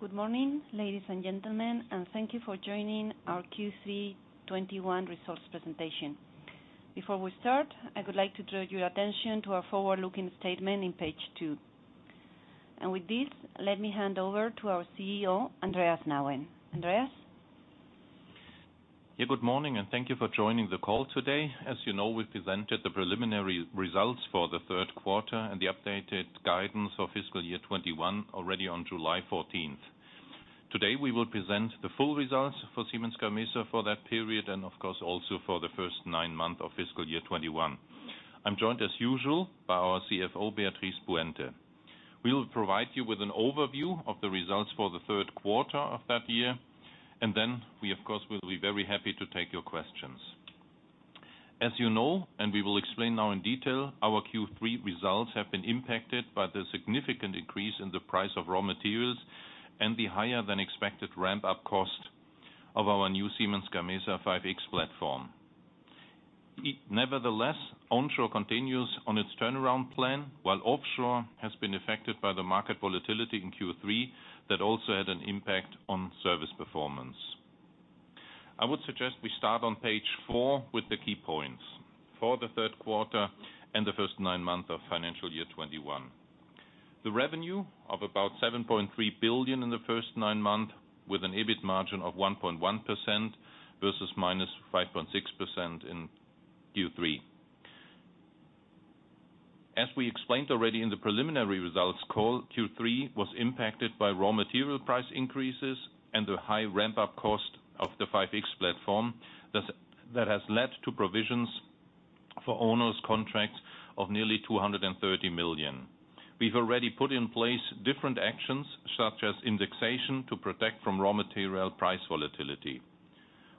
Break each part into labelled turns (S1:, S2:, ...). S1: Good morning, ladies and gentlemen, thank you for joining our Q3 2021 results presentation. Before we start, I would like to draw your attention to our forward-looking statement on page two. With this, let me hand over to our CEO, Andreas Nauen. Andreas?
S2: Yeah. Good morning and thank you for joining the call today. As you know, we presented the preliminary results for the third quarter and the updated guidance for fiscal year 2021 already on July 14th. Today, we will present the full results for Siemens Gamesa for that period, and of course, also for the first 9 months of fiscal year 2021. I'm joined as usual by our CFO, Beatriz Puente. We will provide you with an overview of the results for the third quarter of that year, and then we, of course, will be very happy to take your questions. As you know, and we will explain now in detail, our Q3 results have been impacted by the significant increase in the price of raw materials and the higher than expected ramp-up cost of our new Siemens Gamesa 5.X platform. Nevertheless, onshore continues on its turnaround plan while offshore has been affected by the market volatility in Q3, that also had an impact on service performance. I would suggest we start on page four with the key points. For the third quarter and the first nine months of FY 2021. The revenue of about 7.3 billion in the first nine months, with an EBIT margin of 1.1% versus -5.6% in Q3. As we explained already in the preliminary results call, Q3 was impacted by raw material price increases and the high ramp-up cost of the Siemens Gamesa 5.X platform that has led to provisions for onerous contracts of nearly 230 million. We've already put in place different actions such as indexation to protect from raw material price volatility.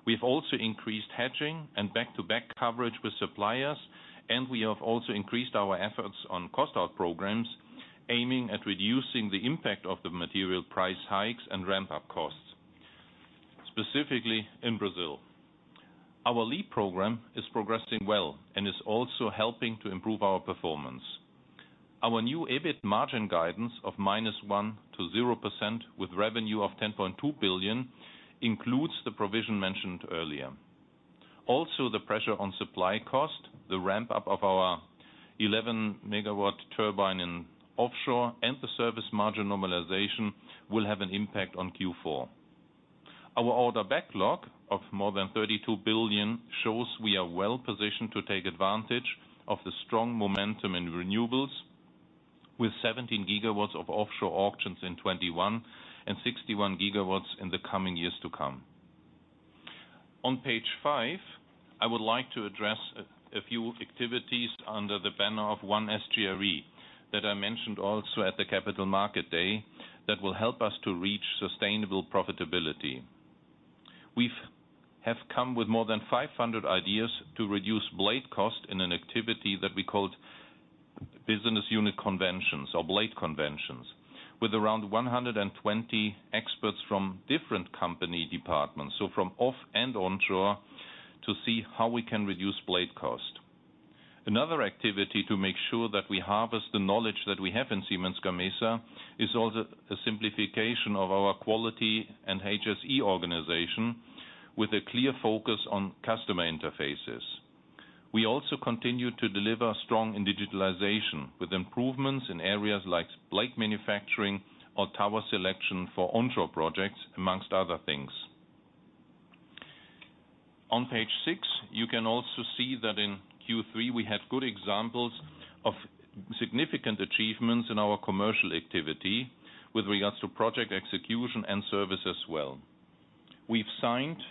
S2: We've also increased hedging and back-to-back coverage with suppliers. We have also increased our efforts on cost-out programs, aiming at reducing the impact of the material price hikes and ramp-up costs, specifically in Brazil. Our LEAP program is progressing well. Is also helping to improve our performance. Our new EBIT margin guidance of -1% to 0% with revenue of 10.2 billion includes the provision mentioned earlier. The pressure on supply cost, the ramp-up of our 11-MW turbine in offshore, and the service margin normalization will have an impact on Q4. Our order backlog of more than 32 billion shows we are well-positioned to take advantage of the strong momentum in renewables with 17 GW of offshore auctions in 2021 and 61 GW in the coming years to come. On page five, I would like to address a few activities under the banner of One SGRE that I mentioned also at the Capital Market Day that will help us to reach sustainable profitability. We have come with more than 500 ideas to reduce blade cost in an activity that we called business unit conventions or blade conventions with around 120 experts from different company departments. From off and onshore to see how we can reduce blade cost. Another activity to make sure that we harvest the knowledge that we have in Siemens Gamesa is also a simplification of our quality and HSE organization with a clear focus on customer interfaces. We also continue to deliver strong in digitalization with improvements in areas like blade manufacturing or tower selection for onshore projects, amongst other things. On page six, you can also see that in Q3, we had good examples of significant achievements in our commercial activity with regards to project execution and service as well. We've signed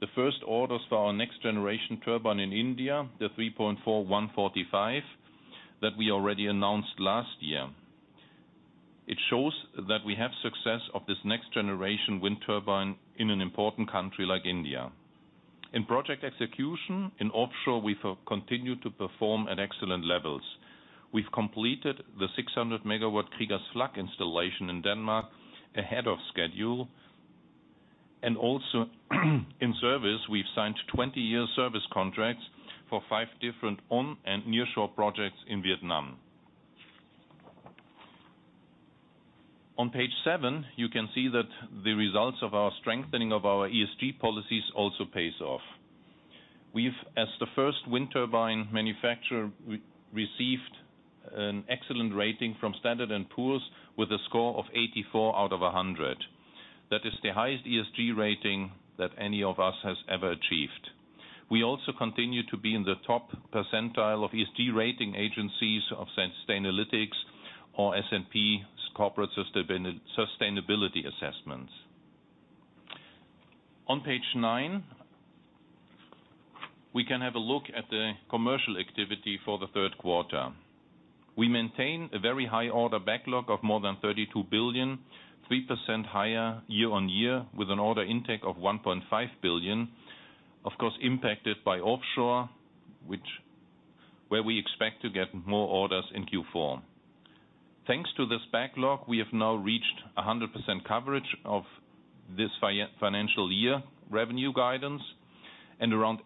S2: the first orders for our next-generation turbine in India, the 3.4-145, that we already announced last year. It shows that we have success of this next-generation wind turbine in an important country like India. In project execution, in offshore, we continue to perform at excellent levels. We've completed the 600 MW Kriegers Flak installation in Denmark ahead of schedule. Also in service, we've signed 20-year service contracts for five different on and nearshore projects in Vietnam. On page seven, you can see that the results of our strengthening of our ESG policies also pays off. We've, as the first wind turbine manufacturer, received an excellent rating from Standard & Poor's with a score of 84 out of 100. That is the highest ESG rating that any of us has ever achieved. We also continue to be in the top percentile of ESG rating agencies of Sustainalytics or S&P's corporate sustainability assessments. On page nine, we can have a look at the commercial activity for the third quarter. We maintain a very high order backlog of more than 32 billion, 3% higher year-on-year, with an order intake of 1.5 billion, of course, impacted by offshore, where we expect to get more orders in Q4. Thanks to this backlog, we have now reached 100% coverage of this financial year revenue guidance, and around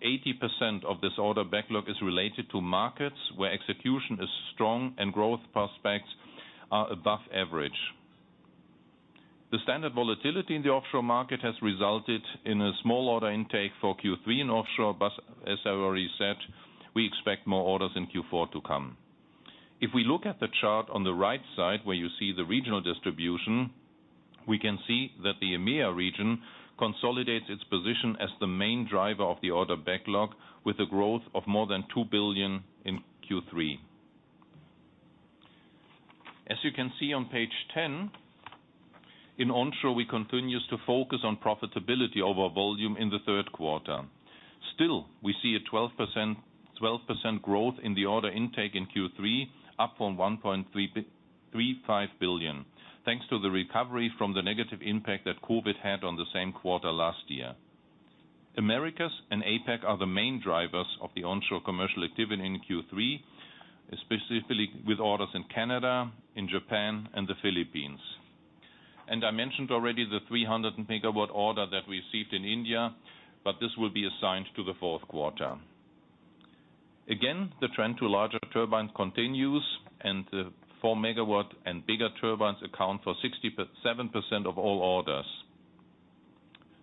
S2: 80% of this order backlog is related to markets where execution is strong and growth prospects are above average. The standard volatility in the offshore market has resulted in a small order intake for Q3 in offshore, but as I already said, we expect more orders in Q4 to come. If we look at the chart on the right side where you see the regional distribution, we can see that the EMEAR region consolidates its position as the main driver of the order backlog, with a growth of more than 2 billion in Q3. As you can see on page 10, in onshore, we continue to focus on profitability over volume in the third quarter. Still, we see a 12% growth in the order intake in Q3, up from 1.35 billion, thanks to the recovery from the negative impact that COVID had on the same quarter last year. Americas and APAC are the main drivers of the onshore commercial activity in Q3, specifically with orders in Canada, in Japan, and the Philippines. I mentioned already the 300-MW order that we received in India, but this will be assigned to the fourth quarter. Again, the trend to larger turbines continues, and the 4 MW and bigger turbines account for 67% of all orders.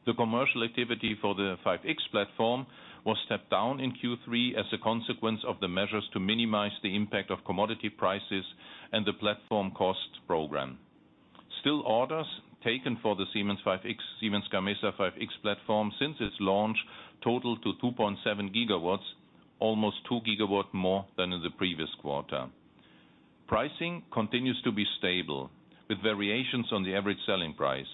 S2: The commercial activity for the 5.X platform was stepped down in Q3 as a consequence of the measures to minimize the impact of commodity prices and the platform cost program. Still, orders taken for the Siemens Gamesa 5.X platform since its launch total to 2.7 GW, almost 2 GW more than in the previous quarter. Pricing continues to be stable with variations on the average selling price.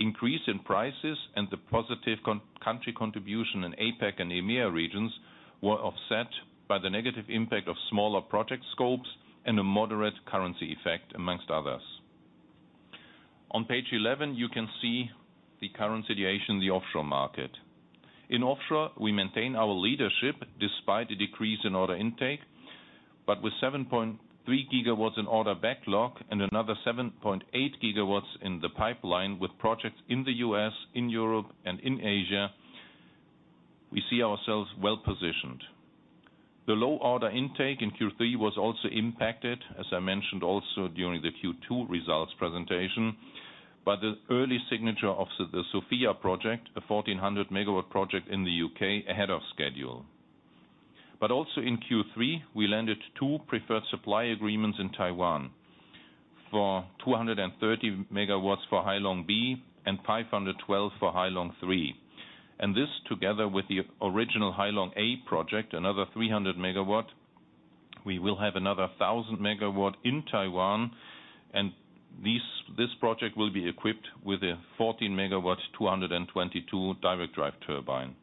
S2: Increase in prices and the positive country contribution in APAC and EMEAR regions were offset by the negative impact of smaller project scopes and a moderate currency effect among others. On page 11, you can see the current situation in the offshore market. In offshore, we maintain our leadership despite a decrease in order intake, with 7.3 GW in order backlog and another 7.8 GW in the pipeline with projects in the U.S., in Europe, and in Asia, we see ourselves well-positioned. The low order intake in Q3 was also impacted, as I mentioned also during the Q2 results presentation, by the early signature of the Sofia project, a 1,400 MW project in the U.K. ahead of schedule. Also in Q3, we landed two preferred supply agreements in Taiwan for 230 MW for Hai Long B and 512 MW for Hai Long 3. This, together with the original Hai Long A project, another 300 MW, we will have another 1,000 MW in Taiwan, and this project will be equipped with a 14-MW, 222 direct drive turbine.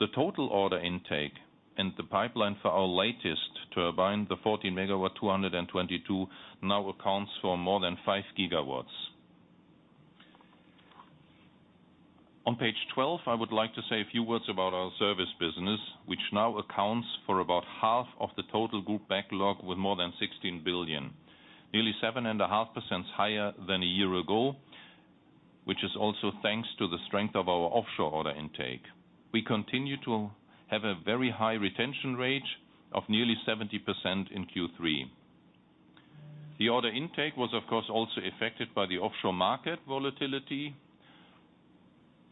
S2: The total order intake and the pipeline for our latest turbine, the 14-MW, 222, now accounts for more than 5 GW. On page 12, I would like to say a few words about our service business, which now accounts for about half of the total group backlog with more than 16 billion. Nearly 7.5% higher than a year ago, which is also thanks to the strength of our offshore order intake. We continue to have a very high retention rate of nearly 70% in Q3. The order intake was, of course, also affected by the offshore market volatility,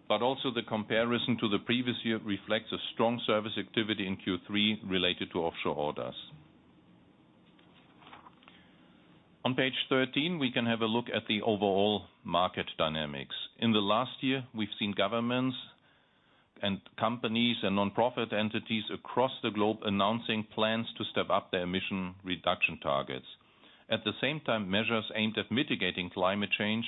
S2: but also the comparison to the previous year reflects a strong service activity in Q3 related to offshore orders. On page 13, we can have a look at the overall market dynamics. In the last year, we've seen governments and companies and nonprofit entities across the globe announcing plans to step up their emission reduction targets. At the same time, measures aimed at mitigating climate change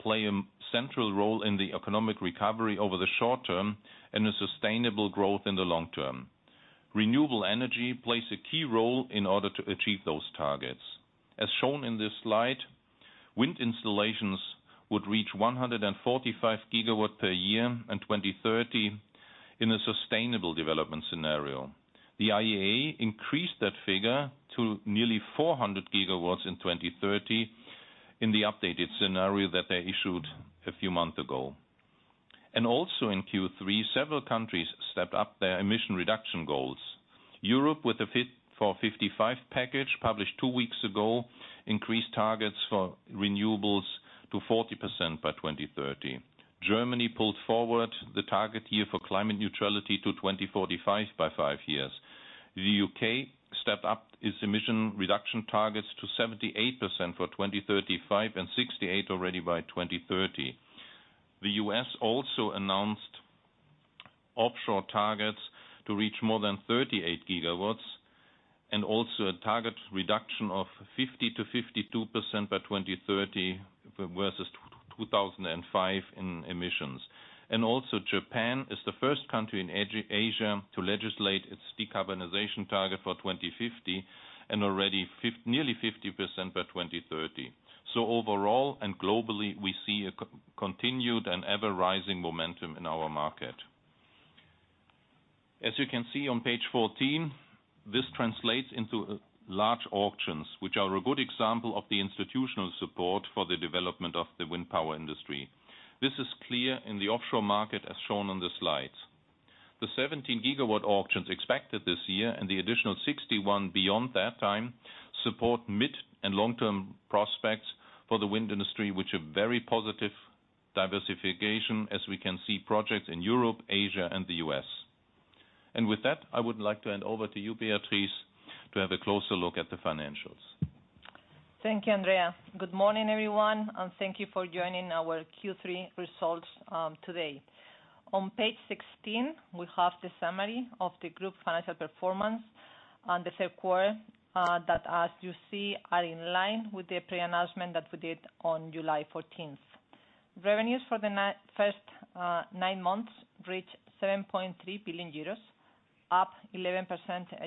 S2: play a central role in the economic recovery over the short term and a sustainable growth in the long term. Renewable energy plays a key role in order to achieve those targets. As shown in this slide, wind installations would reach 145 GW per year in 2030 in a sustainable development scenario. The IEA increased that figure to nearly 400 GW in 2030 in the updated scenario that they issued a few months ago. Also in Q3, several countries stepped up their emission reduction goals. Europe, with the Fit for 55 package published two weeks ago, increased targets for renewables to 40% by 2030. Germany pulled forward the target year for climate neutrality to 2045 by five years. The U.K. stepped up its emission reduction targets to 78% for 2035 and 68% already by 2030. The U.S. also announced offshore targets to reach more than 38 GW and also a target reduction of 50%-52% by 2030 versus 2005 in emissions. Also Japan is the first country in Asia to legislate its decarbonization target for 2050 and already nearly 50% by 2030. Overall and globally, we see a continued and ever-rising momentum in our market. As you can see on page 14, this translates into large auctions, which are a good example of the institutional support for the development of the wind power industry. This is clear in the offshore market, as shown on the slide. The 17 GW auctions expected this year and the additional 61 beyond that time support mid and long-term prospects for the wind industry, which are very positive diversification, as we can see projects in Europe, Asia, and the U.S. With that, I would like to hand over to you, Beatriz, to have a closer look at the financials.
S3: Thank you, Andreas. Good morning, everyone, and thank you for joining our Q3 results today. On page 16, we have the summary of the group financial performance on the third quarter, that as you see, are in line with the pre-announcement that we did on July 14th. Revenues for the first nine months reached 7.3 billion euros, up 11%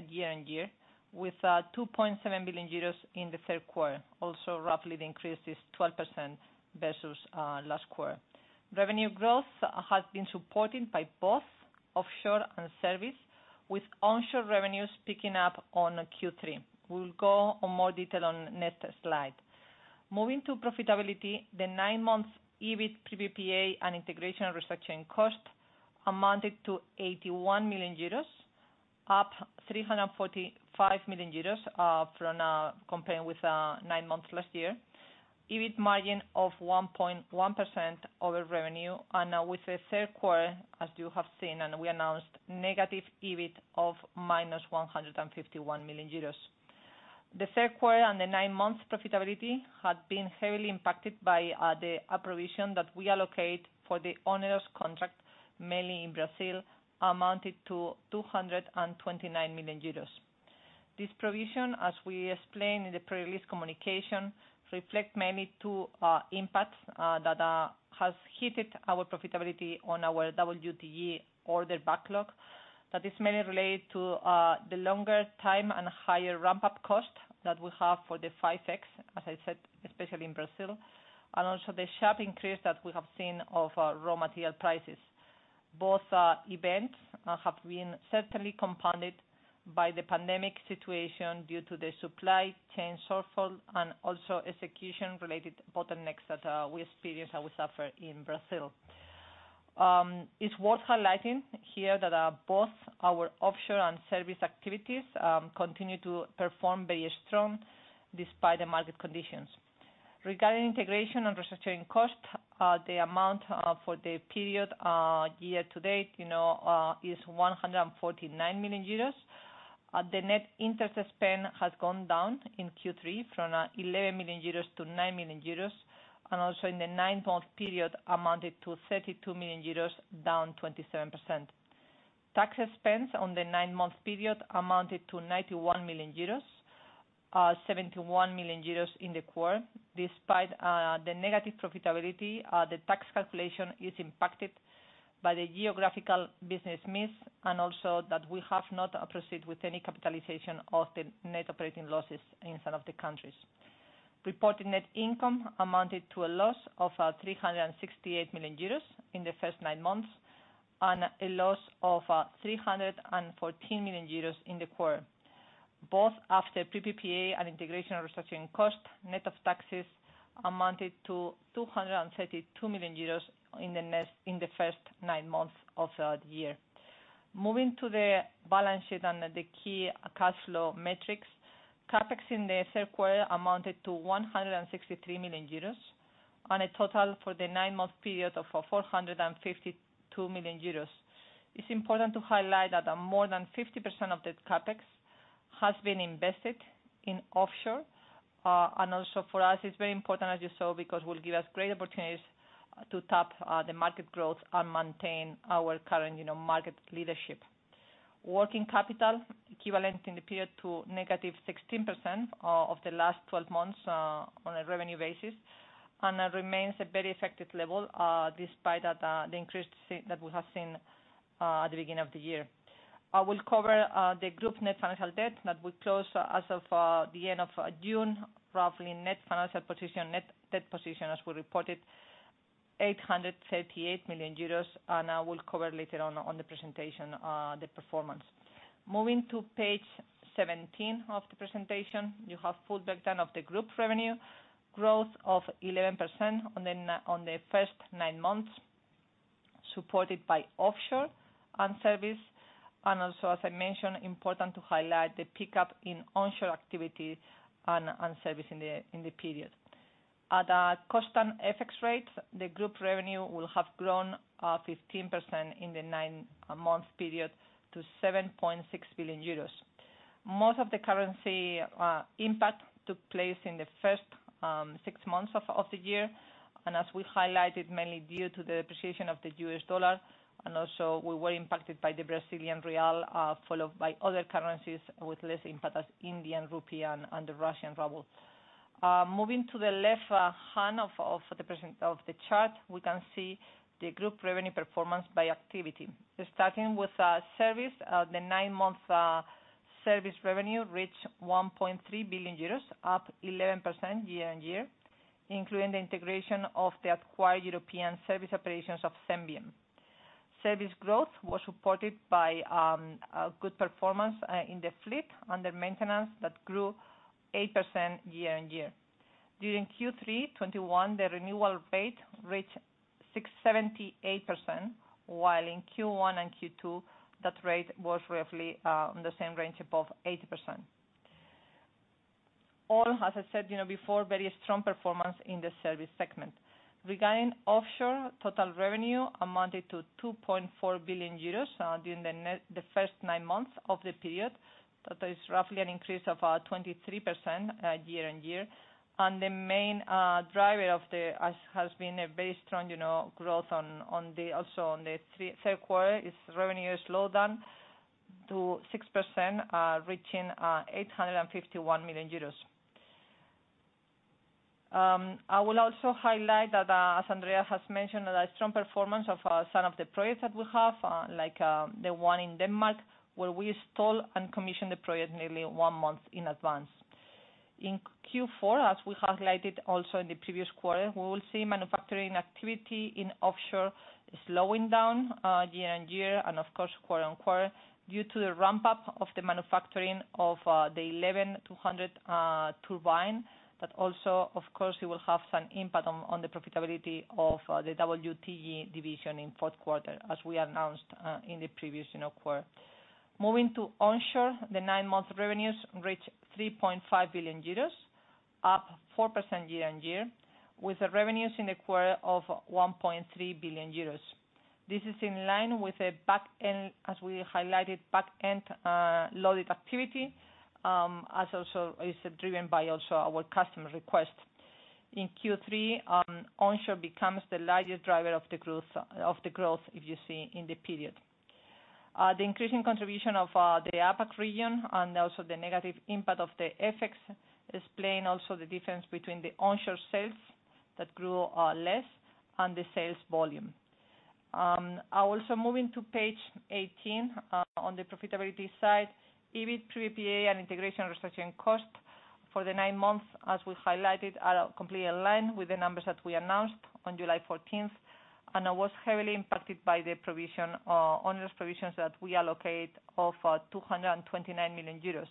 S3: year-on-year, with 2.7 billion euros in the third quarter. Also roughly the increase is 12% versus last quarter. Revenue growth has been supported by both offshore and service, with onshore revenues picking up on Q3. We'll go on more detail on next slide. Moving to profitability, the nine months EBIT pre PPA and integration restructuring cost amounted to 81 million euros, up 345 million euros compared with nine months last year. EBIT margin of 1.1% over revenue. With the third quarter, as you have seen and we announced, negative EBIT of minus 151 million euros. The third quarter and the nine months profitability had been heavily impacted by the provision that we allocate for the onerous contract, mainly in Brazil, amounted to 229 million euros. This provision, as we explained in the pre-release communication, reflect mainly two impacts that has hit our profitability on our WTG order backlog. That is mainly related to the longer time and higher ramp-up cost that we have for the 5.X, as I said, especially in Brazil. Also the sharp increase that we have seen of raw material prices. Both events have been certainly compounded by the pandemic situation due to the supply chain shortfall and also execution-related bottlenecks that we experience and we suffer in Brazil. It's worth highlighting here that both our offshore and service activities continue to perform very strong despite the market conditions. Regarding integration and restructuring cost, the amount for the period year to date is 149 million euros. The net interest spend has gone down in Q3 from 11 million euros to 9 million euros, and also in the nine-month period amounted to 32 million euros, down 27%. Tax expense on the nine-month period amounted to 91 million euros, 71 million euros in the quarter. Despite the negative profitability, the tax calculation is impacted by the geographical business mix, and also that we have not proceeded with any capitalization of the net operating losses in some of the countries. Reported net income amounted to a loss of 368 million euros in the first nine months, and a loss of 314 million euros in the quarter. Both after PPA and integration restructuring cost, net of taxes amounted to 232 million euros in the first nine months of the year. Moving to the balance sheet and the key cash flow metrics. CapEx in the third quarter amounted to 163 million euros, and a total for the nine-month period of 452 million euros. It is important to highlight that more than 50% of the CapEx has been invested in offshore. Also for us, it is very important, as you saw, because it will give us great opportunities to tap the market growth and maintain our current market leadership. Working capital equivalent in the period to negative 16% of the last 12 months, on a revenue basis, and remains a very effective level, despite the increase that we have seen at the beginning of the year. I will cover the group net financial debt that we closed as of the end of June, roughly net financial position, net debt position, as we reported, 838 million euros, and I will cover later on the presentation, the performance. Moving to page 17 of the presentation, you have full breakdown of the group revenue growth of 11% on the first nine months, supported by offshore and service. Also, as I mentioned, important to highlight the pickup in onshore activity and service in the period. At a constant FX rate, the group revenue will have grown 15% in the nine-month period to 7.6 billion euros. Most of the currency impact took place in the first six months of the year. As we highlighted, mainly due to the appreciation of the US dollar, and also we were impacted by the Brazilian real, followed by other currencies with less impact as Indian rupee and the Russian ruble. Moving to the left hand of the chart, we can see the group revenue performance by activity. Starting with service, the nine-month service revenue reached 1.3 billion euros, up 11% year-on-year, including the integration of the acquired European service operations of Senvion. Service growth was supported by good performance in the fleet under maintenance that grew 8% year-on-year. During Q3 2021, the renewal rate reached 678%, while in Q1 and Q2, that rate was roughly in the same range, above 80%. All, as I said before, very strong performance in the service segment. Regarding offshore, total revenue amounted to €2.4 billion during the first nine months of the period. That is roughly an increase of 23% year-on-year. The main driver has been a very strong growth also on the third quarter, its revenue slowed down to 6%, reaching €851 million. I will also highlight that, as Andreas has mentioned, the strong performance of some of the projects that we have, like the one in Denmark, where we installed and commissioned the project nearly one month in advance. In Q4, as we highlighted also in the previous quarter, we will see manufacturing activity in offshore slowing down year-on-year and of course, quarter-on-quarter, due to the ramp-up of the manufacturing of the 11-200 turbine. That also, of course, it will have some impact on the profitability of the WTG division in fourth quarter, as we announced in the previous quarter. Moving to onshore, the nine-month revenues reached 3.5 billion euros, up 4% year-on-year, with the revenues in the quarter of 1.3 billion euros. This is in line with the back end, as we highlighted, back end loaded activity, as also is driven by our customer request. In Q3, onshore becomes the largest driver of the growth if you see in the period. The increasing contribution of the APAC region and also the negative impact of the FX explain also the difference between the onshore sales that grew less and the sales volume. Moving to page 18, on the profitability side, EBIT pre-PPA and integration restructuring costs for the nine months, as we highlighted, are completely in line with the numbers that we announced on July 14th, and it was heavily impacted by the onerous provisions that we allocate of 229 million euros.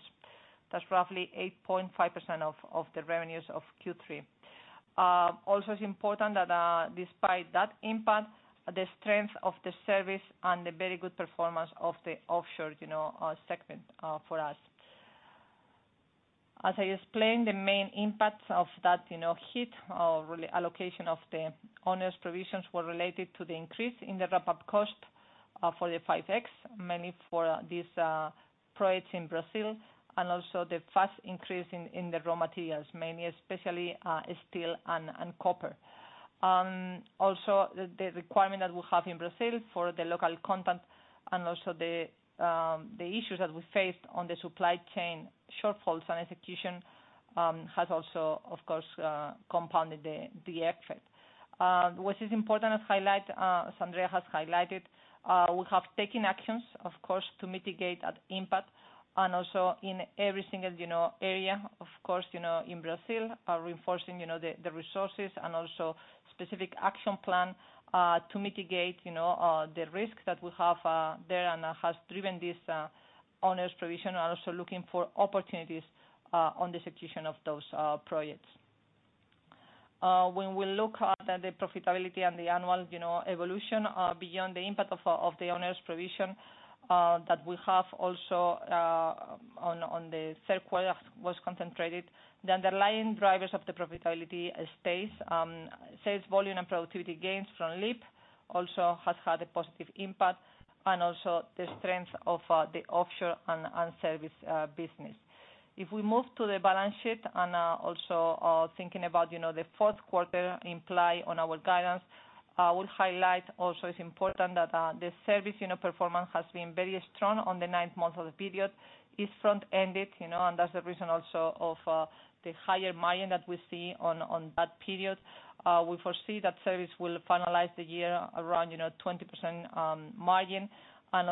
S3: That's roughly 8.5% of the revenues of Q3. It's important that despite that impact, the strength of the service and the very good performance of the offshore segment for us. As I explained, the main impact of that hit, or allocation of the onerous provisions, were related to the increase in the ramp-up cost for the 5.X, mainly for these projects in Brazil, and also the fast increase in the raw materials, mainly especially steel and copper. The requirement that we have in Brazil for the local content and also the issues that we faced on the supply chain shortfalls and execution has also, of course, compounded the effect. What is important as Andreas Nauen has highlighted, we have taken actions, of course, to mitigate that impact and also in every single area, of course, in Brazil, are reinforcing the resources and also specific action plan to mitigate the risk that we have there and has driven this onerous provision, and also looking for opportunities on the execution of those projects. When we look at the profitability and the annual evolution, beyond the impact of the onerous provision that we have also on the third quarter was concentrated, the underlying drivers of the profitability stays. Sales volume and productivity gains from LEAP also has had a positive impact, and also the strength of the offshore and service business. If we move to the balance sheet and also thinking about the fourth quarter imply on our guidance, I will highlight also it's important that the service performance has been very strong on the ninth month of the period. It's front-ended, and that's the reason also of the higher margin that we see on that period. We foresee that service will finalize the year around 20% margin. As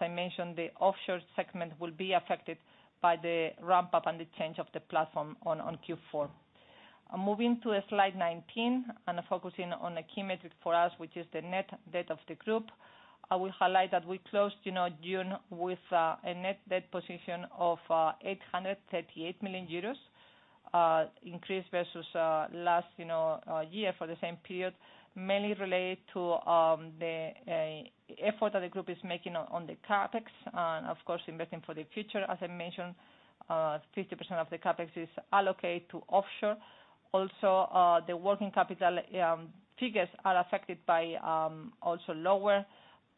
S3: I mentioned, the offshore segment will be affected by the ramp-up and the change of the platform on Q4. Moving to slide 19 and focusing on a key metric for us, which is the net debt of the group, I will highlight that we closed June with a net debt position of 838 million euros, increased versus last year for the same period, mainly related to the effort that the group is making on the CapEx and, of course, investing for the future. As I mentioned, 50% of the CapEx is allocated to offshore. Also, the working capital figures are affected by also lower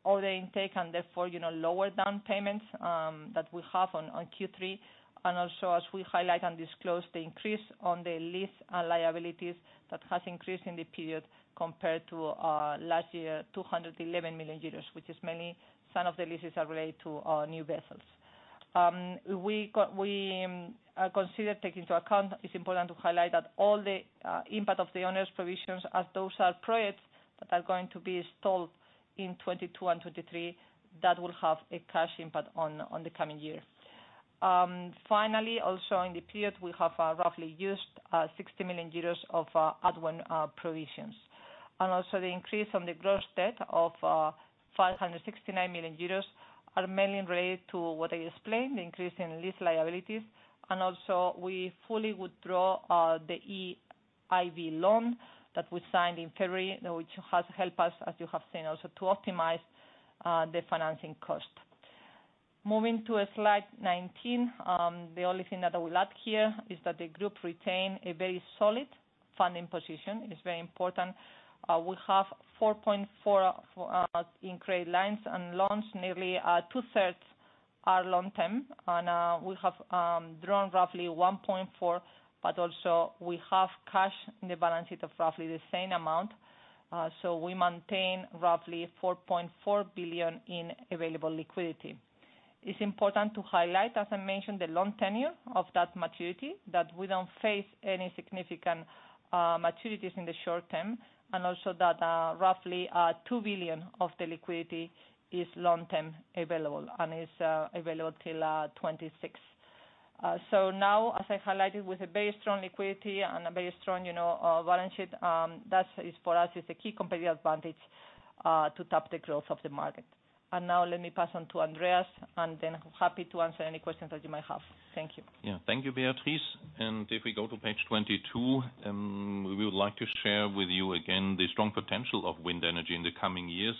S3: order intake and therefore, lower down payments that we have on Q3, and also as we highlight and disclose the increase on the lease and liabilities that has increased in the period compared to last year, 211 million euros, which is mainly some of the leases are related to new vessels. It's important to highlight that all the impact of the onerous provisions as those are projects that are going to be installed in 2022 and 2023, that will have a cash impact on the coming year. Finally, also in the period, we have roughly used 60 million euros of Adwen provisions. The increase on the gross debt of 569 million euros are mainly related to what I explained, the increase in lease liabilities, and also we fully withdraw the EIB loan that we signed in February, which has helped us, as you have seen also, to optimize the financing cost. Moving to slide 19. The only thing that I will add here is that the group retain a very solid funding position. It is very important. We have 4.4 in credit lines and loans, nearly two-thirds are long-term. We have drawn roughly 1.4 billion, but also we have cash in the balance sheet of roughly the same amount. We maintain roughly 4.4 billion in available liquidity. It is important to highlight, as I mentioned, the long tenure of that maturity, that we don't face any significant maturities in the short term, and also that roughly 2 billion of the liquidity is long-term available, and is available till 2026. Now, as I highlighted, with a very strong liquidity and a very strong balance sheet, that for us is a key competitive advantage to tap the growth of the market. Now let me pass on to Andreas, and then happy to answer any questions that you might have. Thank you.
S2: Yeah. Thank you, Beatriz. If we go to page 22, we would like to share with you again the strong potential of wind energy in the coming years,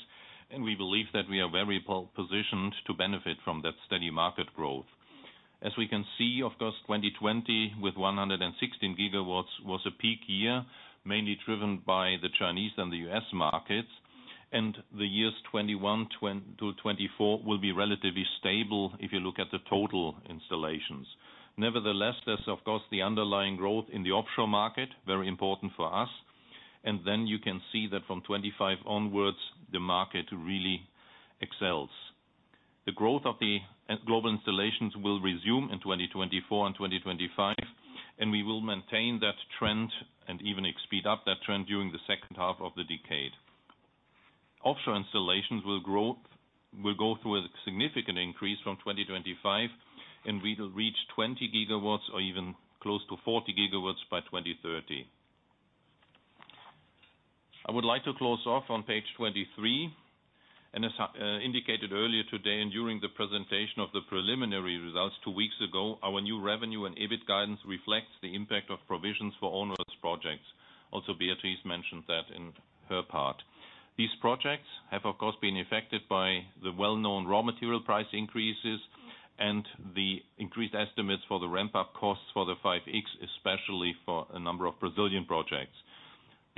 S2: and we believe that we are very well-positioned to benefit from that steady market growth. As we can see, of course, 2020, with 116 GW, was a peak year, mainly driven by the Chinese and the U.S. markets. The years 2021 to 2024 will be relatively stable if you look at the total installations. Nevertheless, there's, of course, the underlying growth in the offshore market, very important for us. You can see that from 2025 onwards, the market really excels. The growth of the global installations will resume in 2024 and 2025, and we will maintain that trend and even speed up that trend during the second half of the decade. Offshore installations will go through a significant increase from 2025, we will reach 20 GW or even close to 40 GW by 2030. I would like to close off on page 23. As indicated earlier today and during the presentation of the preliminary results two weeks ago, our new revenue and EBIT guidance reflects the impact of provisions for onerous projects. Also, Beatriz mentioned that in her part. These projects have, of course, been affected by the well-known raw material price increases and the increased estimates for the ramp-up costs for the 5.X, especially for a number of Brazilian projects.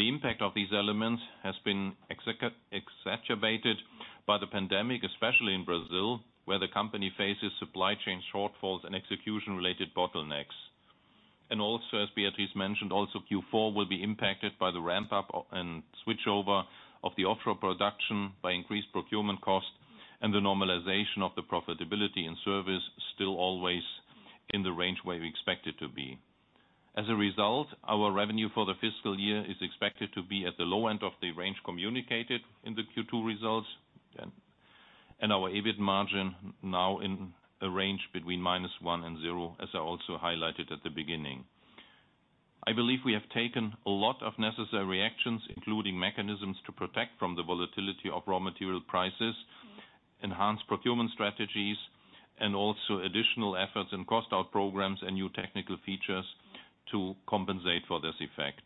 S2: The impact of these elements has been exacerbated by the pandemic, especially in Brazil, where the company faces supply chain shortfalls and execution-related bottlenecks. Also, as Beatriz mentioned, Q4 will be impacted by the ramp-up and switchover of the offshore production by increased procurement costs and the normalization of the profitability and service still always in the range where we expect it to be. As a result, our revenue for the fiscal year is expected to be at the low end of the range communicated in the Q2 results. Our EBIT margin now in a range between -1% and 0%, as I also highlighted at the beginning. I believe we have taken a lot of necessary actions, including mechanisms to protect from the volatility of raw material prices, enhanced procurement strategies, and also additional efforts in cost-out programs and new technical features to compensate for this effect.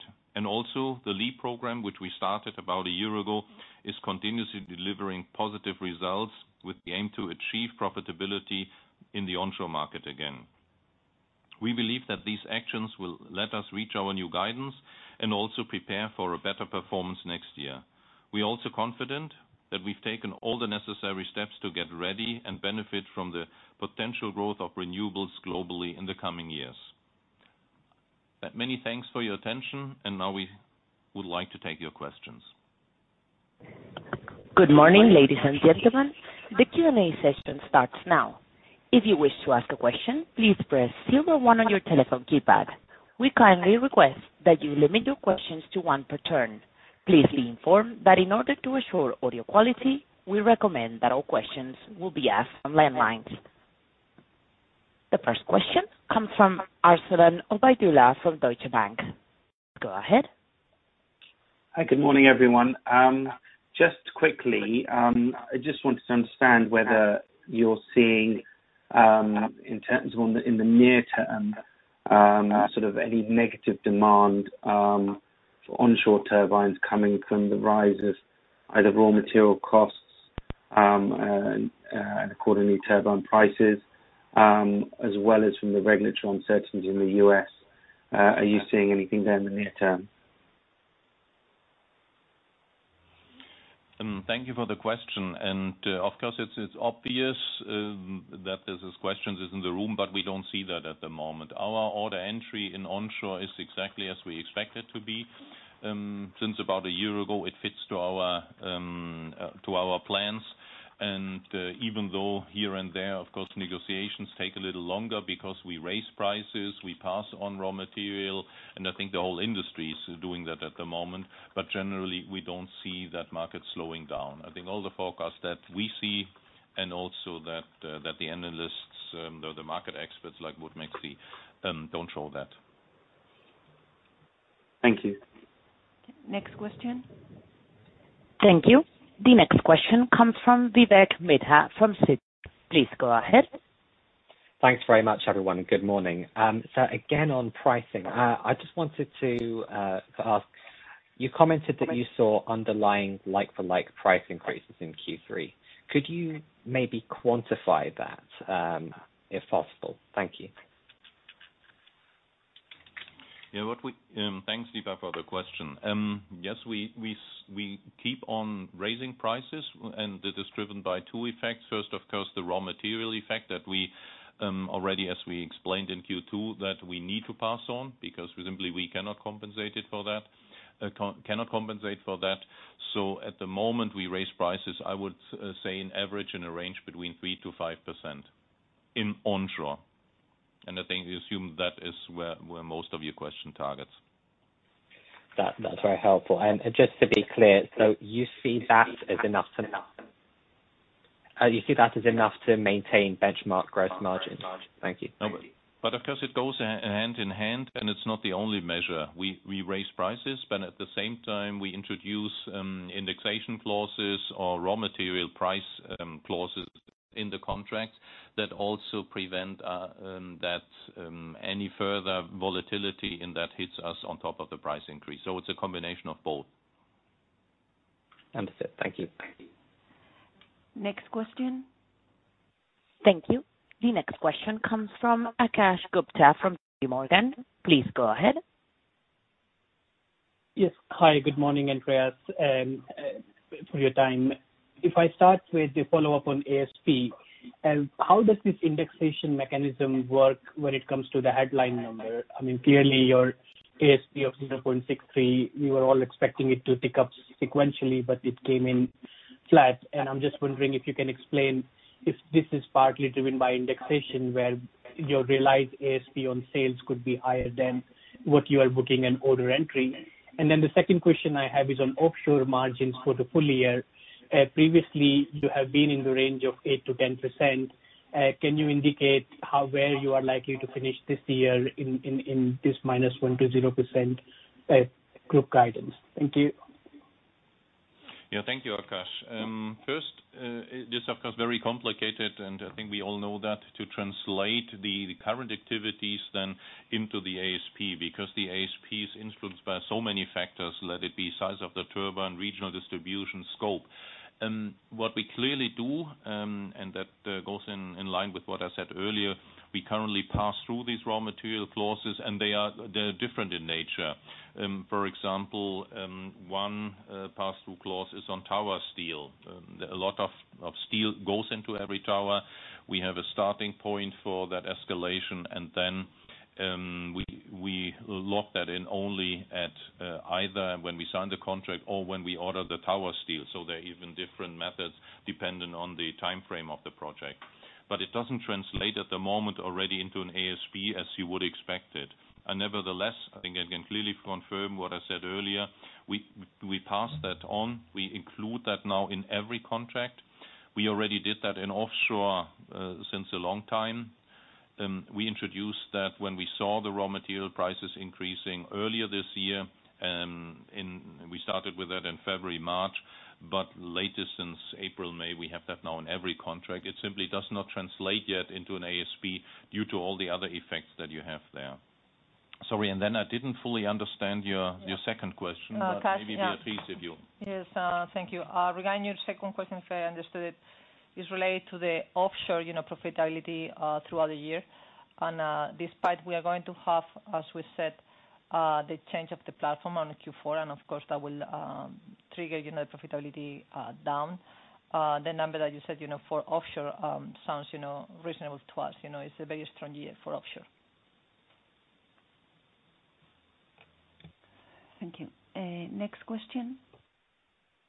S2: Also, the LEAP program, which we started about a year ago, is continuously delivering positive results with the aim to achieve profitability in the onshore market again. We believe that these actions will let us reach our new guidance and also prepare for a better performance next year. We're also confident that we've taken all the necessary steps to get ready and benefit from the potential growth of renewables globally in the coming years. Many thanks for your attention. Now we would like to take your questions.
S4: Good morning, ladies and gentlemen. The Q&A session starts now. If you wish to ask a question, please press 0 one on your telephone keypad. We kindly request that you limit your questions to one per turn. Please be informed that in order to assure audio quality, we recommend that all questions will be asked from landlines. The first question comes from Arslan Obaidullah from Deutsche Bank. Go ahead.
S5: Hi, good morning, everyone. Just quickly, I just wanted to understand whether you're seeing, in terms of in the near term, any negative demand for onshore turbines coming from the rise of either raw material costs, and accordingly turbine prices, as well as from the regulatory uncertainties in the U.S. Are you seeing anything there in the near term?
S2: Thank you for the question. Of course, it's obvious that this question is in the room, but we don't see that at the moment. Our order entry in onshore is exactly as we expect it to be. Since about a year ago, it fits to our plans. Even though here and there, of course, negotiations take a little longer because we raise prices, we pass on raw material, and I think the whole industry is doing that at the moment. Generally, we don't see that market slowing down. I think all the forecasts that we see and also that the analysts, the market experts like Wood Mackenzie, don't show that.
S5: Thank you.
S1: Next question.
S4: Thank you. The next question comes from Vivek Midha from Citi. Please go ahead.
S6: Thanks very much, everyone. Good morning. Again, on pricing, I just wanted to ask. You commented that you saw underlying like-for-like price increases in Q3. Could you maybe quantify that, if possible? Thank you.
S2: Thanks, Midha, for the question. Yes, we keep on raising prices, and it is driven by two effects. First, of course, the raw material effect that already as we explained in Q2, that we need to pass on, because we simply we cannot compensate for that. At the moment we raise prices, I would say on average in a range between 3%-5% in onshore. I think you assume that is where most of your question targets.
S6: That's very helpful. Just to be clear, you see that as enough to maintain benchmark gross margins? Thank you.
S2: Of course, it goes hand in hand, and it's not the only measure. We raise prices, but at the same time, we introduce indexation clauses or raw material price clauses in the contract that also prevent that any further volatility in that hits us on top of the price increase. It's a combination of both.
S6: Understood. Thank you.
S1: Next question.
S4: Thank you. The next question comes from Akash Gupta from JPMorgan. Please go ahead.
S7: Yes. Hi, good morning, Andreas, and for your time. I start with the follow-up on ASP, how does this indexation mechanism work when it comes to the headline number? Clearly, your ASP of 0.63, we were all expecting it to tick up sequentially, but it came in flat. I'm just wondering if you can explain if this is partly driven by indexation, where your realized ASP on sales could be higher than what you are booking in order entry. The second question I have is on offshore margins for the full year. Previously, you have been in the range of 8%-10%. Can you indicate how well you are likely to finish this year in this -1% to 0% group guidance? Thank you.
S2: Thank you, Akash. First, this, of course, very complicated, and I think we all know that to translate the current activities then into the ASP, because the ASP is influenced by so many factors, let it be size of the turbine, regional distribution scope. What we clearly do, and that goes in line with what I said earlier, we currently pass through these raw material clauses, and they're different in nature. For example, one pass-through clause is on tower steel. A lot of steel goes into every tower. We have a starting point for that escalation, and then we lock that in only at either when we sign the contract or when we order the tower steel. They're even different methods dependent on the time frame of the project. It doesn't translate at the moment already into an ASP as you would expect it. Nevertheless, I think I can clearly confirm what I said earlier. We pass that on. We include that now in every contract. We already did that in offshore since a long time. We introduced that when we saw the raw material prices increasing earlier this year. We started with that in February, March, but latest since April, May, we have that now in every contract. It simply does not translate yet into an ASP due to all the other effects that you have there. Sorry, then I didn't fully understand your second question.
S3: Akash-
S2: Maybe Beatriz, if you
S3: Yes. Thank you. Regarding your second question, if I understood it, is related to the offshore profitability throughout the year. Despite we are going to have, as we said, the change of the platform on Q4, and of course, that will trigger profitability down. The number that you said for offshore sounds reasonable to us. It's a very strong year for offshore.
S1: Thank you. Next question.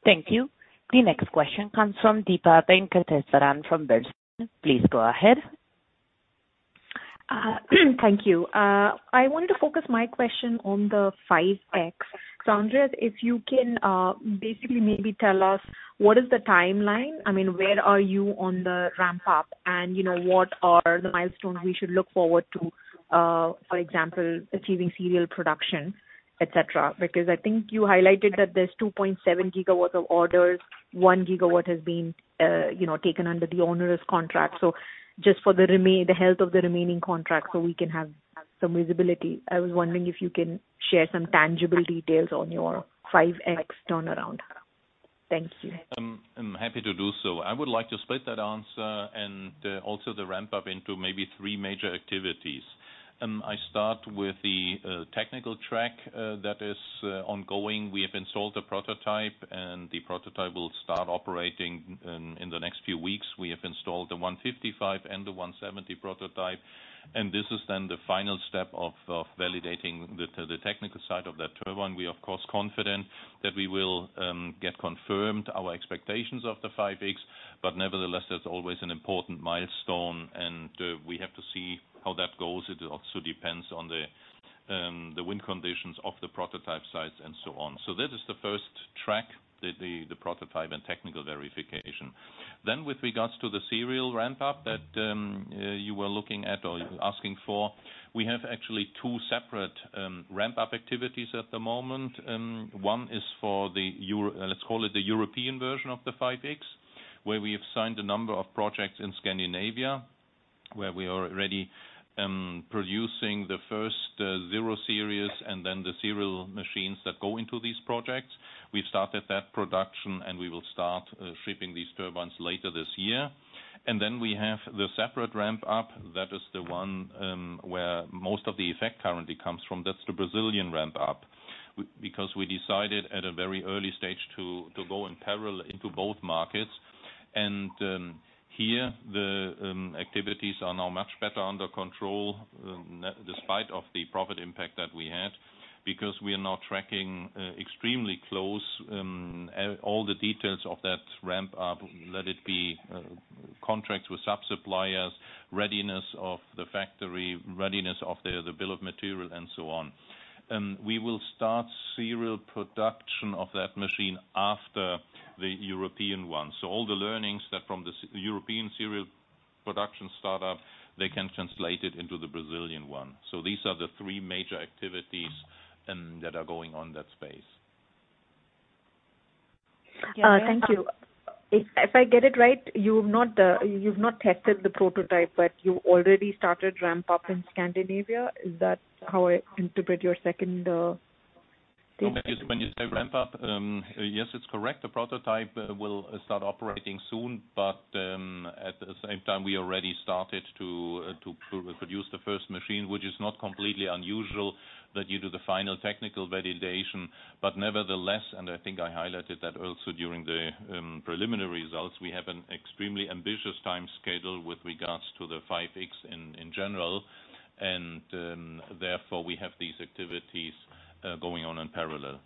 S4: Thank you. The next question comes from Deepa Venkateswaran from Bernstein. Please go ahead.
S8: Thank you. I want to focus my question on the 5.X. Andreas, if you can basically maybe tell us what is the timeline, where are you on the ramp-up, and what are the milestones we should look forward to, for example, achieving serial production, et cetera. Because I think you highlighted that there's 2.7 GWof orders. 1 GW has been taken under the onerous contract. Just for the health of the remaining contract so we can have some visibility. I was wondering if you can share some tangible details on your 5.X turnaround. Thank you.
S2: I'm happy to do so. I would like to split that answer and also the ramp-up into maybe three major activities. I start with the technical track that is ongoing. We have installed the prototype, and the prototype will start operating in the next few weeks. We have installed the 155 and the 170 prototype, and this is then the final step of validating the technical side of that turbine. We are, of course, confident that we will get confirmed our expectations of the 5.X, but nevertheless, that's always an important milestone, and we have to see how that goes. It also depends on the wind conditions of the prototype sites and so on. That is the first track, the prototype and technical verification. With regards to the serial ramp-up that you were looking at or you were asking for, we have actually two separate ramp-up activities at the moment. One is for the, let's call it, the European version of the 5.X, where we have signed a number of projects in Scandinavia, where we are already producing the first zero series and then the serial machines that go into these projects. We've started that production, and we will start shipping these turbines later this year. We have the separate ramp-up. That is the one where most of the effect currently comes from. That's the Brazilian ramp-up. We decided at a very early stage to go in parallel into both markets. Here, the activities are now much better under control, despite of the profit impact that we had, because we are now tracking extremely close all the details of that ramp-up, let it be contracts with sub-suppliers, readiness of the factory, readiness of the other bill of material, and so on. We will start serial production of that machine after the European one. All the learnings that from the European serial production start up, they can translate it into the Brazilian one. These are the three major activities that are going on in that space.
S8: Thank you. If I get it right, you've not tested the prototype, but you already started ramp-up in Scandinavia. Is that how I interpret your second statement?
S2: When you say ramp-up, yes, it's correct. The prototype will start operating soon, but at the same time, we already started to produce the first machine, which is not completely unusual that you do the final technical validation. Nevertheless, and I think I highlighted that also during the preliminary results, we have an extremely ambitious time schedule with regards to the 5.X in general, and therefore we have these activities going on in parallel.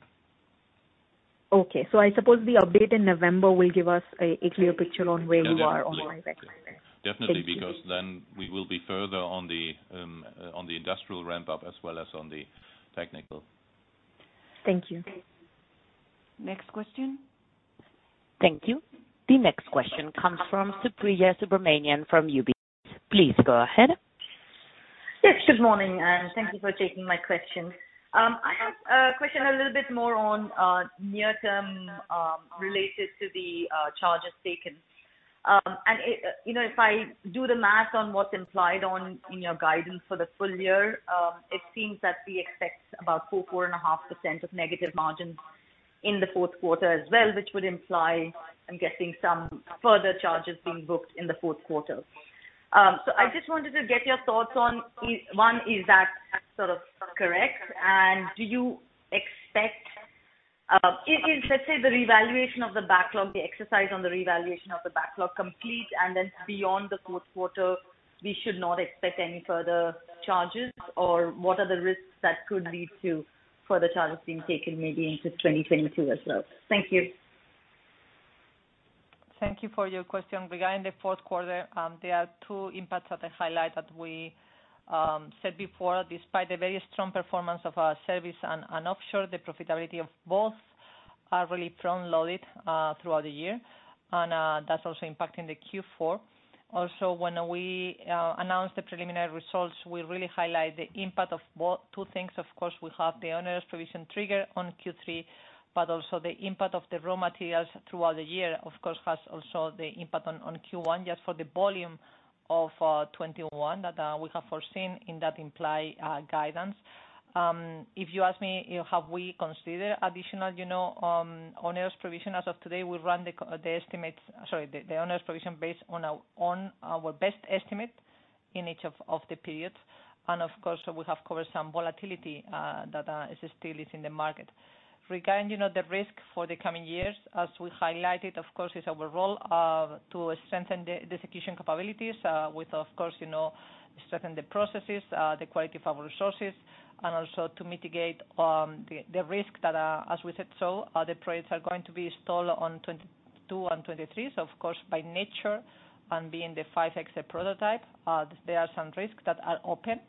S8: Okay. I suppose the update in November will give us a clear picture on where we are on all that.
S2: Definitely, because then we will be further on the industrial ramp-up as well as on the technical.
S8: Thank you.
S1: Next question.
S4: Thank you. The next question comes from Supriya Subramanian from UBS. Please go ahead.
S9: Yes, good morning, thank you for taking my question. I have a question a little bit more on near term, related to the charges taken. If I do the math on what's implied on in your guidance for the full year, it seems that we expect about 4.5% of negative margins in the fourth quarter as well, which would imply, I'm guessing, some further charges being booked in the fourth quarter. I just wanted to get your thoughts on, one, is that sort of correct? Let's say the revaluation of the backlog, the exercise on the revaluation of the backlog completes, and then beyond the fourth quarter, we should not expect any further charges, or what are the risks that could lead to further charges being taken maybe into 2022 as well? Thank you.
S3: Thank you for your question. Regarding the fourth quarter, there are two impacts that I highlight that we said before. Despite the very strong performance of our service and offshore, the profitability of both are really front-loaded throughout the year, and that's also impacting the Q4. When we announced the preliminary results, we really highlight the impact of two things. We have the onerous provision trigger on Q3, but also the impact of the raw materials throughout the year, of course, has also the impact on Q1, just for the volume of 2021 that we have foreseen in that implied guidance. If you ask me, have we considered additional onerous provision, as of today, we run the estimates, the onerous provision based on our best estimate in each of the periods. We have covered some volatility that still is in the market. Regarding the risk for the coming years, as we highlighted, of course, it's our role to strengthen the execution capabilities with, of course, strengthen the processes, the quality of our resources, and also to mitigate the risk that, as we said so, the projects are going to be installed on 2022 and 2023. Of course, by nature and being the 5.X, a prototype, there are some risks that are open,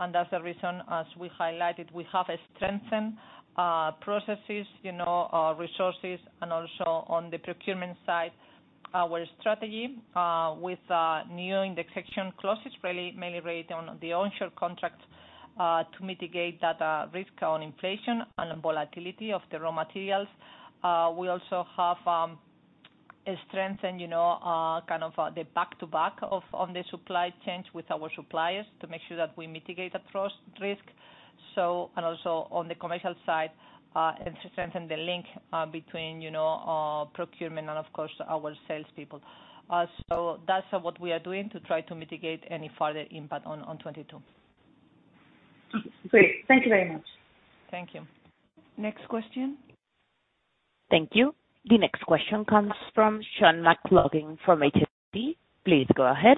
S3: and that's the reason, as we highlighted, we have strengthened processes, resources, and also on the procurement side, our strategy with new indexation clauses, mainly raised on the onshore contracts to mitigate that risk on inflation and volatility of the raw materials. We also have strengthened the back-to-back of the supply chains with our suppliers to make sure that we mitigate that risk. Also on the commercial side, to strengthen the link between procurement and of course our salespeople. That's what we are doing to try to mitigate any further impact on 2022.
S9: Great. Thank you very much.
S3: Thank you.
S1: Next question.
S4: Thank you. The next question comes from Sean McLoughlin from HSBC. Please go ahead.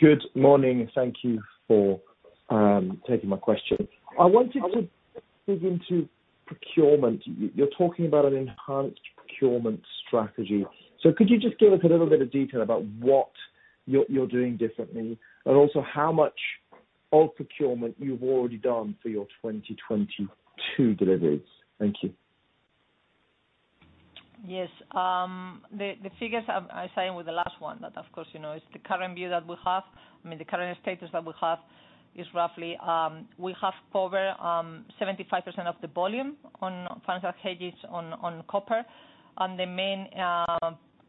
S10: Good morning. Thank you for taking my question. I wanted to dig into procurement. You're talking about an enhanced procurement strategy. Could you just give us a little bit of detail about what you're doing differently, and also how much of procurement you've already done for your 2022 deliveries? Thank you.
S3: Yes. The figures I signed with the last one, that of course is the current view that we have. I mean, the current status that we have is roughly, we have covered 75% of the volume on financial hedges on copper. The main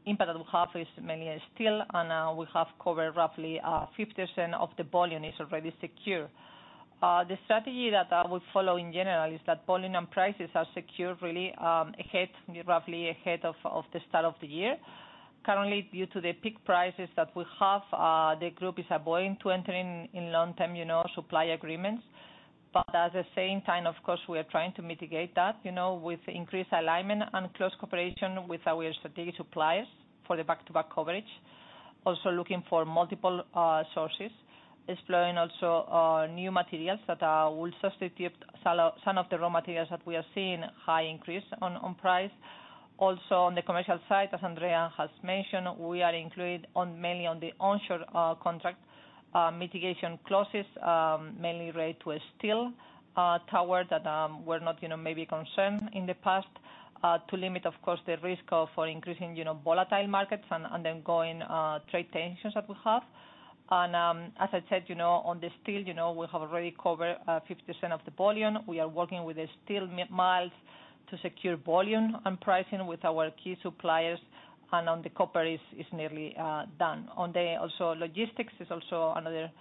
S3: impact that we have is mainly steel, and we have covered roughly 50% of the volume is already secure. The strategy that we follow in general is that volume and prices are secured really ahead, roughly ahead of the start of the year. Currently, due to the peak prices that we have, the group is avoiding to enter in long-term supply agreements. At the same time, of course, we are trying to mitigate that with increased alignment and close cooperation with our strategic suppliers for the back-to-back coverage. Also looking for multiple sources, exploring also new materials that will substitute some of the raw materials that we are seeing high increase on price. Also on the commercial side, as Andrea has mentioned, we are included mainly on the onshore contract mitigation clauses, mainly related to steel tower that were not maybe concerned in the past, to limit, of course, the risk of increasing volatile markets and the ongoing trade tensions that we have. As I said, on the steel, we have already covered 50% of the volume. We are working with the steel mills to secure volume and pricing with our key suppliers, and on the copper is nearly done. On the Also logistics is also another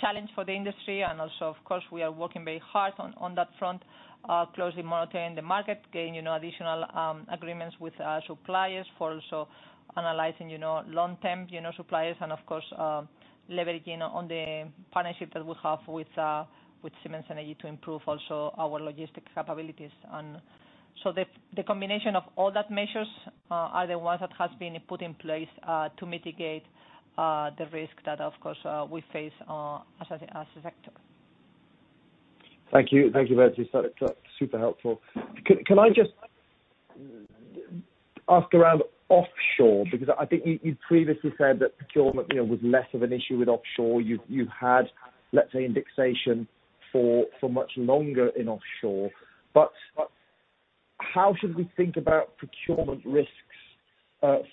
S3: challenge for the industry. Also, of course, we are working very hard on that front, closely monitoring the market, getting additional agreements with suppliers for also analyzing long-term suppliers and of course, leveraging on the partnership that we have with Siemens Energy to improve also our logistics capabilities. The combination of all that measures are the ones that has been put in place, to mitigate the risk that, of course, we face as a sector.
S10: Thank you. Thank you, Beatriz. That's super helpful. Can I just ask around offshore? I think you previously said that procurement was less of an issue with offshore. You had, let's say, indexation for much longer in offshore. How should we think about procurement risks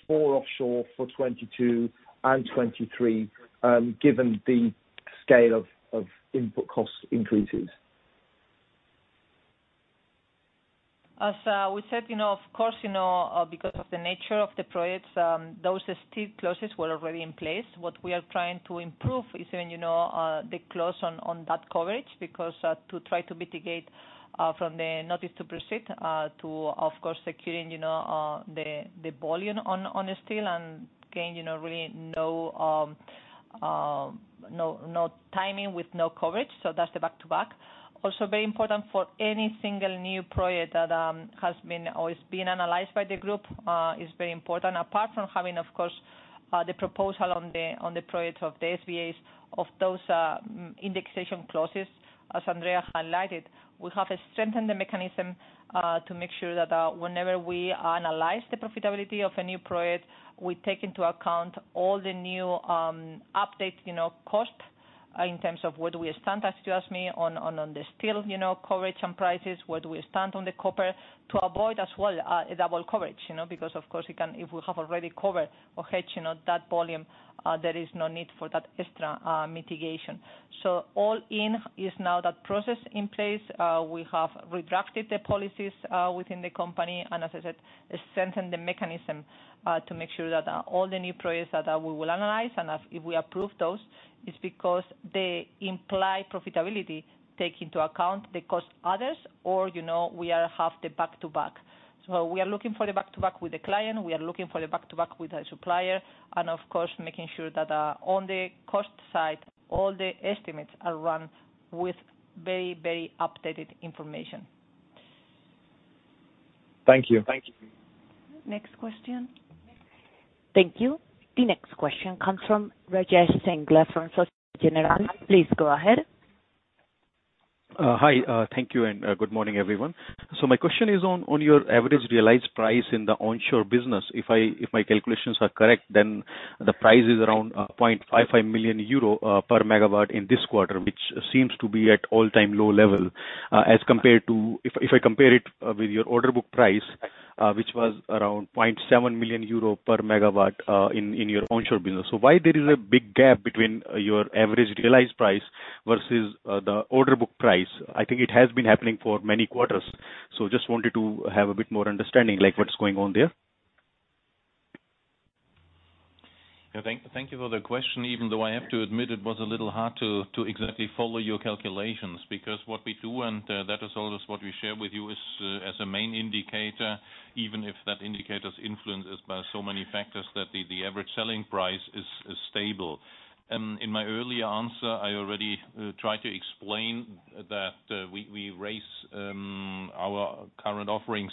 S10: for offshore for 2022 and 2023, given the scale of input cost increases?
S3: As we said, of course, because of the nature of the projects, those steel clauses were already in place. What we are trying to improve is when the clause on that coverage, because, to try to mitigate, from the notice to proceed, to of course securing the volume on the steel and gain really no timing with no coverage. That's the back-to-back. Very important for any single new project that has been or is being analyzed by the group, is very important. Apart from having, of course, the proposal on the project of the TSAs of those indexation clauses, as Andreas Nauen highlighted, we have strengthened the mechanism to make sure that whenever we analyze the profitability of a new project, we take into account all the new update cost in terms of where do we stand as you ask me on the steel coverage and prices, where do we stand on the copper, to avoid as well a double coverage. Because of course if we have already covered or hedged that volume, there is no need for that extra mitigation. So all in is now that process in place. We have redrafted the policies within the company, and as I said, strengthened the mechanism to make sure that all the new projects that we will analyze, and if we approve those, is because the implied profitability take into account the cost adders or we have the back-to-back. We are looking for the back-to-back with the client. We are looking for the back-to-back with the supplier, and of course making sure that on the cost side, all the estimates are run with very updated information.
S10: Thank you.
S1: Next question.
S4: Thank you. The next question comes from Rajesh Singla from Societe Generale. Please go ahead.
S11: Hi. Thank you, good morning, everyone. My question is on your average realized price in the onshore business. If my calculations are correct, then the price is around 0.55 million euro/MW in this quarter, which seems to be at all-time low level. If I compare it with your order book price, which was around 0.7 million euro/MW in your onshore business. Why there is a big gap between your average realized price versus the order book price? I think it has been happening for many quarters, so just wanted to have a bit more understanding, like what's going on there?
S2: Thank you for the question, even though I have to admit it was a little hard to exactly follow your calculations, because what we do, and that is also what we share with you as a main indicator, even if that indicator is influenced by so many factors, that the average selling price is stable. In my earlier answer, I already tried to explain that we raise our current offerings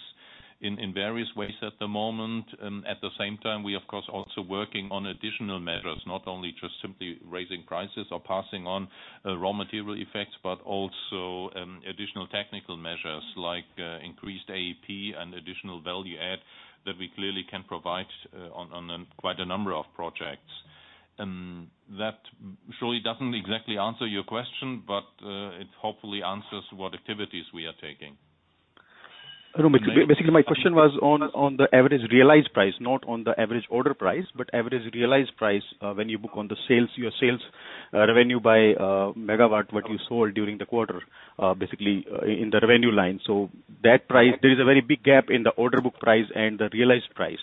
S2: in various ways at the moment. At the same time, we, of course, also working on additional measures, not only just simply raising prices or passing on raw material effects, but also additional technical measures, like increased AEP and additional value add that we clearly can provide on quite a number of projects. That surely doesn't exactly answer your question, it hopefully answers what activities we are taking.
S11: My question was on the average realized price, not on the average order price, but average realized price. When you book on the sales, your sales revenue by megawatt, what you sold during the quarter, basically, in the revenue line. That price, there is a very big gap in the order book price and the realized price.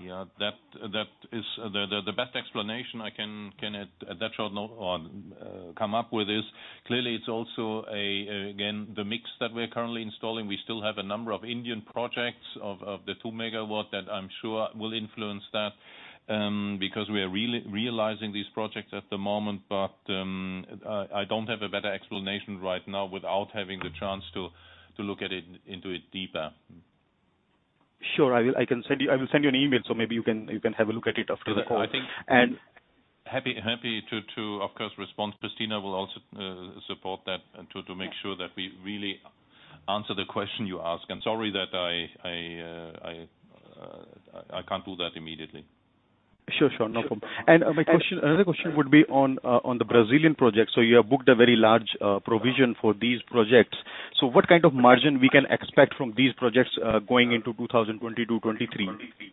S2: The best explanation I can at that short note come up with is, clearly, it's also, again, the mix that we're currently installing. We still have a number of Indian projects of the 2 MW that I'm sure will influence that, because we are realizing these projects at the moment. I don't have a better explanation right now without having the chance to look at it into it deeper.
S11: Sure. I will send you an email, so maybe you can have a look at it after the call.
S2: Happy to, of course, respond. Cristina will also support that to make sure that we really answer the question you ask. Sorry that I can't do that immediately.
S11: Sure. No problem. Another question would be on the Brazilian project. You have booked a very large provision for these projects. What kind of margin we can expect from these projects going into 2022, 2023?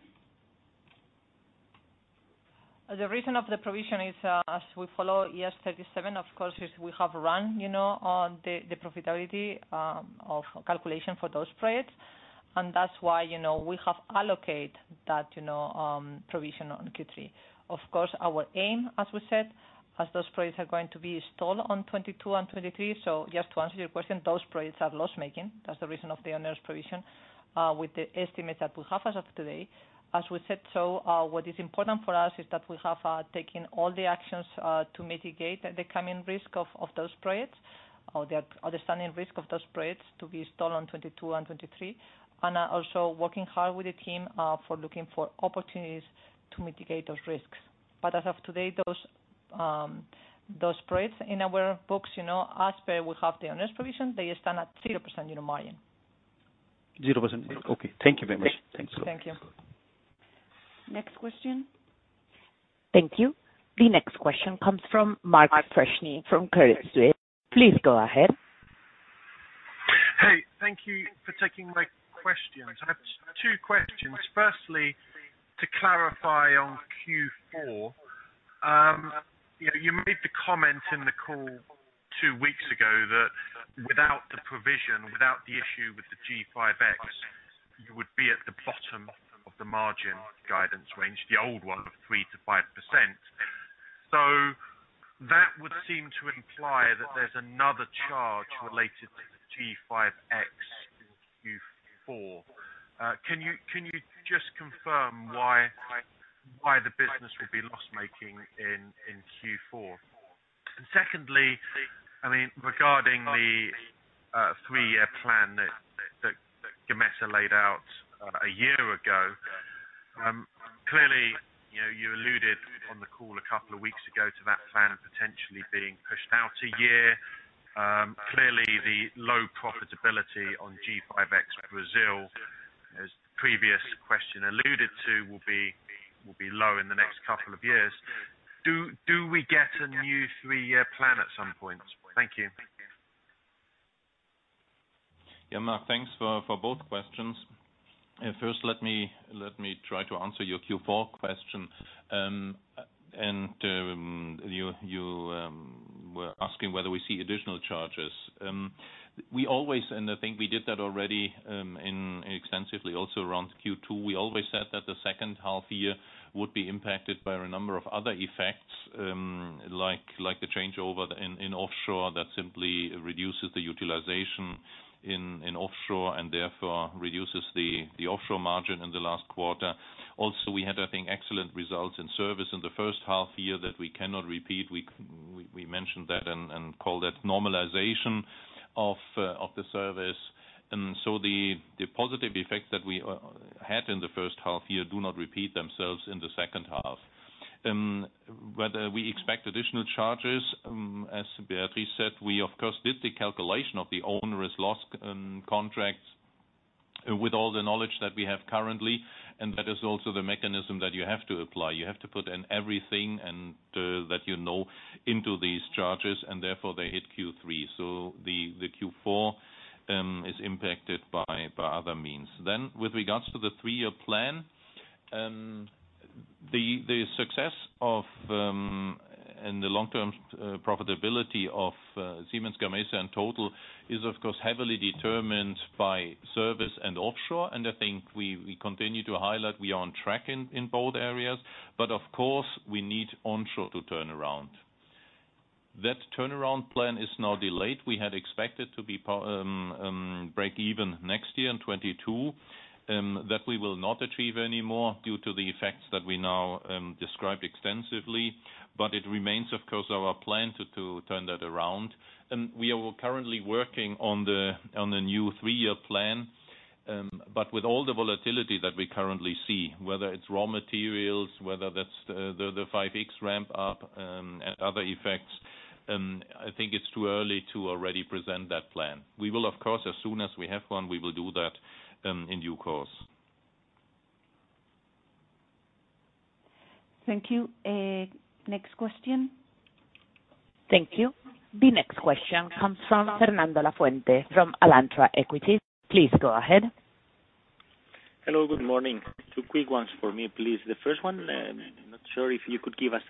S3: The reason of the provision is, as we follow IAS 37, of course, is we have run on the profitability of calculation for those projects. That's why we have allocate that provision on Q3. Of course, our aim, as we said, as those projects are going to be installed on 2022 and 2023. Just to answer your question, those projects are loss-making. That's the reason of the onerous provision, with the estimate that we have as of today. As we said, what is important for us is that we have taken all the actions to mitigate the coming risk of those projects or the standing risk of those projects to be installed on 2022 and 2023. Also working hard with the team for looking for opportunities to mitigate those risks. As of today, those projects in our books, as per we have the onerous provision, they stand at 0% unit margin.
S11: 0%? Okay. Thank you very much.
S3: Thank you.
S1: Next question.
S4: Thank you. The next question comes from Mark Freshney from Credit Suisse. Please go ahead.
S12: Hey, thank you for taking my questions. I have two questions. Firstly, to clarify on Q4. You made the comment in the call two weeks ago that without the provision, without the issue with the G5X, you would be at the bottom of the margin guidance range, the old one of 3%-5%. That would seem to imply that there's another charge related to the G5X in Q4. Can you just confirm why the business would be loss-making in Q4? Secondly, regarding the three-year plan that Gamesa laid out a year ago. Clearly, you alluded on the call a couple of weeks ago to that plan potentially being pushed out a year. Clearly, the low profitability on G5X Brazil, as the previous question alluded to, will be low in the next couple of years. Do we get a new three-year plan at some point? Thank you.
S2: Yeah, Mark, thanks for both questions. First, let me try to answer your Q4 question. You were asking whether we see additional charges. We always, and I think we did that already extensively also around Q2. We always said that the second half year would be impacted by a number of other effects, like the changeover in offshore that simply reduces the utilization in offshore and therefore reduces the offshore margin in the last quarter. Also, we had, I think, excellent results in service in the first half year that we cannot repeat. We mentioned that and call that normalization of the service. The positive effects that we had in the first half year do not repeat themselves in the second half. Whether we expect additional charges, as Beatriz said, we of course did the calculation of the onerous loss contracts with all the knowledge that we have currently, and that is also the mechanism that you have to apply. You have to put in everything that you know into these charges, and therefore they hit Q3. The Q4 is impacted by other means. With regards to the three-year plan The success and the long-term profitability of Siemens Gamesa in total is, of course, heavily determined by service and offshore. I think we continue to highlight we are on track in both areas. Of course, we need onshore to turn around. That turnaround plan is now delayed. We had expected to be break even next year, in 2022. That we will not achieve anymore due to the effects that we now described extensively. It remains, of course, our plan to turn that around. We are currently working on the new three-year plan. With all the volatility that we currently see, whether it's raw materials, whether that's the 5.X ramp up, and other effects, I think it's too early to already present that plan. We will, of course, as soon as we have one, we will do that in due course.
S1: Thank you. Next question.
S4: Thank you. The next question comes from Fernando Lafuente from Alantra Equities. Please go ahead.
S13: Hello, good morning. Two quick ones for me, please. The first one, not sure if you could give us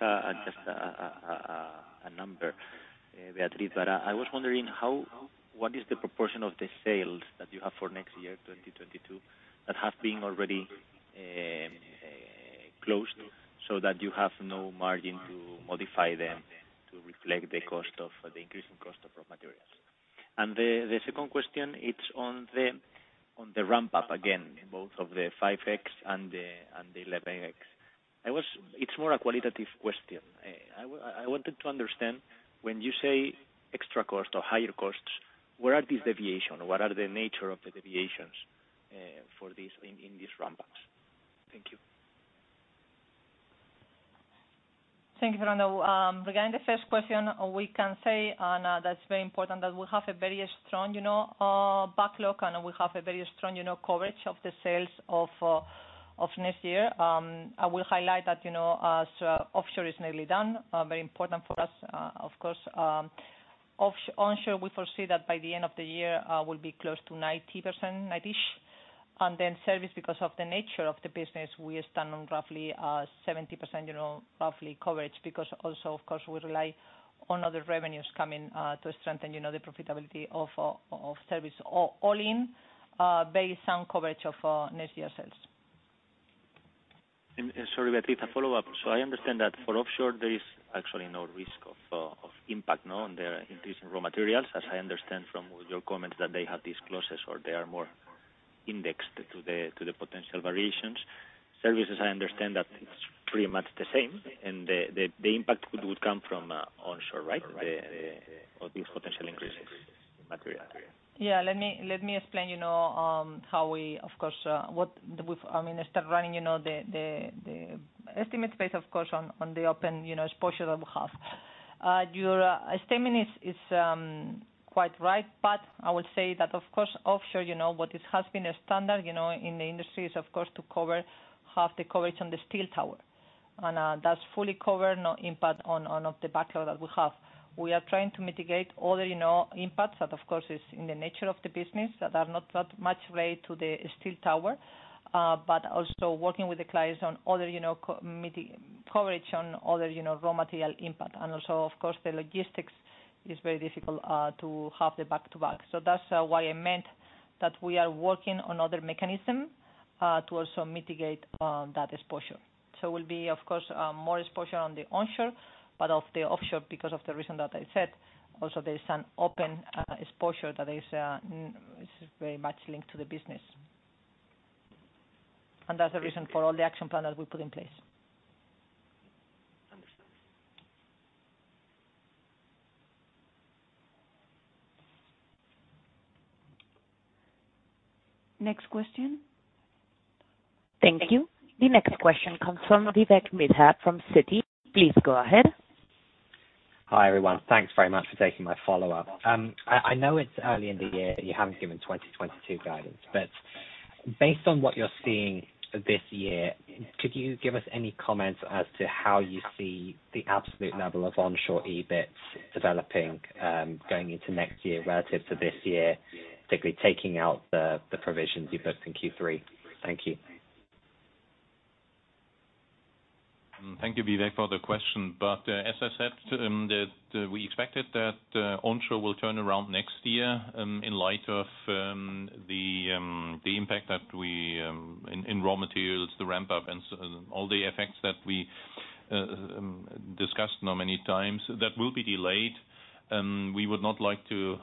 S13: just a number, Beatriz. I was wondering, what is the proportion of the sales that you have for next year, 2022, that have been already closed, so that you have no margin to modify them to reflect the increasing cost of raw materials? The second question, it's on the ramp up again, in both of the 5.X and the 11.X. It's more a qualitative question. I wanted to understand when you say extra cost or higher costs, where are these deviation? What are the nature of the deviations in these ramp ups? Thank you.
S3: Thank you, Fernando. Regarding the first question, we can say, and that's very important, that we have a very strong backlog, and we have a very strong coverage of the sales of next year. I will highlight that as offshore is nearly done, very important for us, of course. Onshore, we foresee that by the end of the year will be close to 90%, 90-ish. Service, because of the nature of the business, we stand on roughly 70% coverage because also, of course, we rely on other revenues coming to strengthen the profitability of service. All in, very sound coverage of next year sales.
S13: Sorry, Beatriz, a follow-up. I understand that for offshore, there is actually no risk of impact on the increasing raw materials, as I understand from your comments that they have these clauses, or they are more indexed to the potential variations. Services, I understand that it's pretty much the same, the impact would come from onshore, right, of these potential increases in material?
S3: Yeah, let me explain how we, I mean, start running the estimate based, of course, on the open exposure that we have. Your statement is quite right. I would say that, of course, offshore, what it has been a standard in the industry is, of course, to cover half the coverage on the steel tower, and that's fully covered, no impact on the backlog that we have. We are trying to mitigate other impacts that, of course, is in the nature of the business that are not that much related to the steel tower, but also working with the clients on other coverage on other raw material impact. Also, of course, the logistics is very difficult to have the back-to-back. That's why I meant that we are working on other mechanism to also mitigate that exposure. Will be, of course, more exposure on the onshore, but of the offshore, because of the reason that I said, also there is an open exposure that is very much linked to the business. That's the reason for all the action plan that we put in place.
S13: Understood.
S1: Next question.
S4: Thank you. The next question comes from Vivek Midha from Citi. Please go ahead.
S6: Hi, everyone. Thanks very much for taking my follow-up. I know it's early in the year that you haven't given 2022 guidance, but based on what you're seeing this year, could you give us any comments as to how you see the absolute level of onshore EBIT developing, going into next year relative to this year, particularly taking out the provisions you booked in Q3? Thank you.
S2: Thank you, Vivek, for the question. As I said, that we expected that onshore will turn around next year, in light of the impact in raw materials, the ramp-up, and all the effects that we discussed now many times. That will be delayed. We would not like to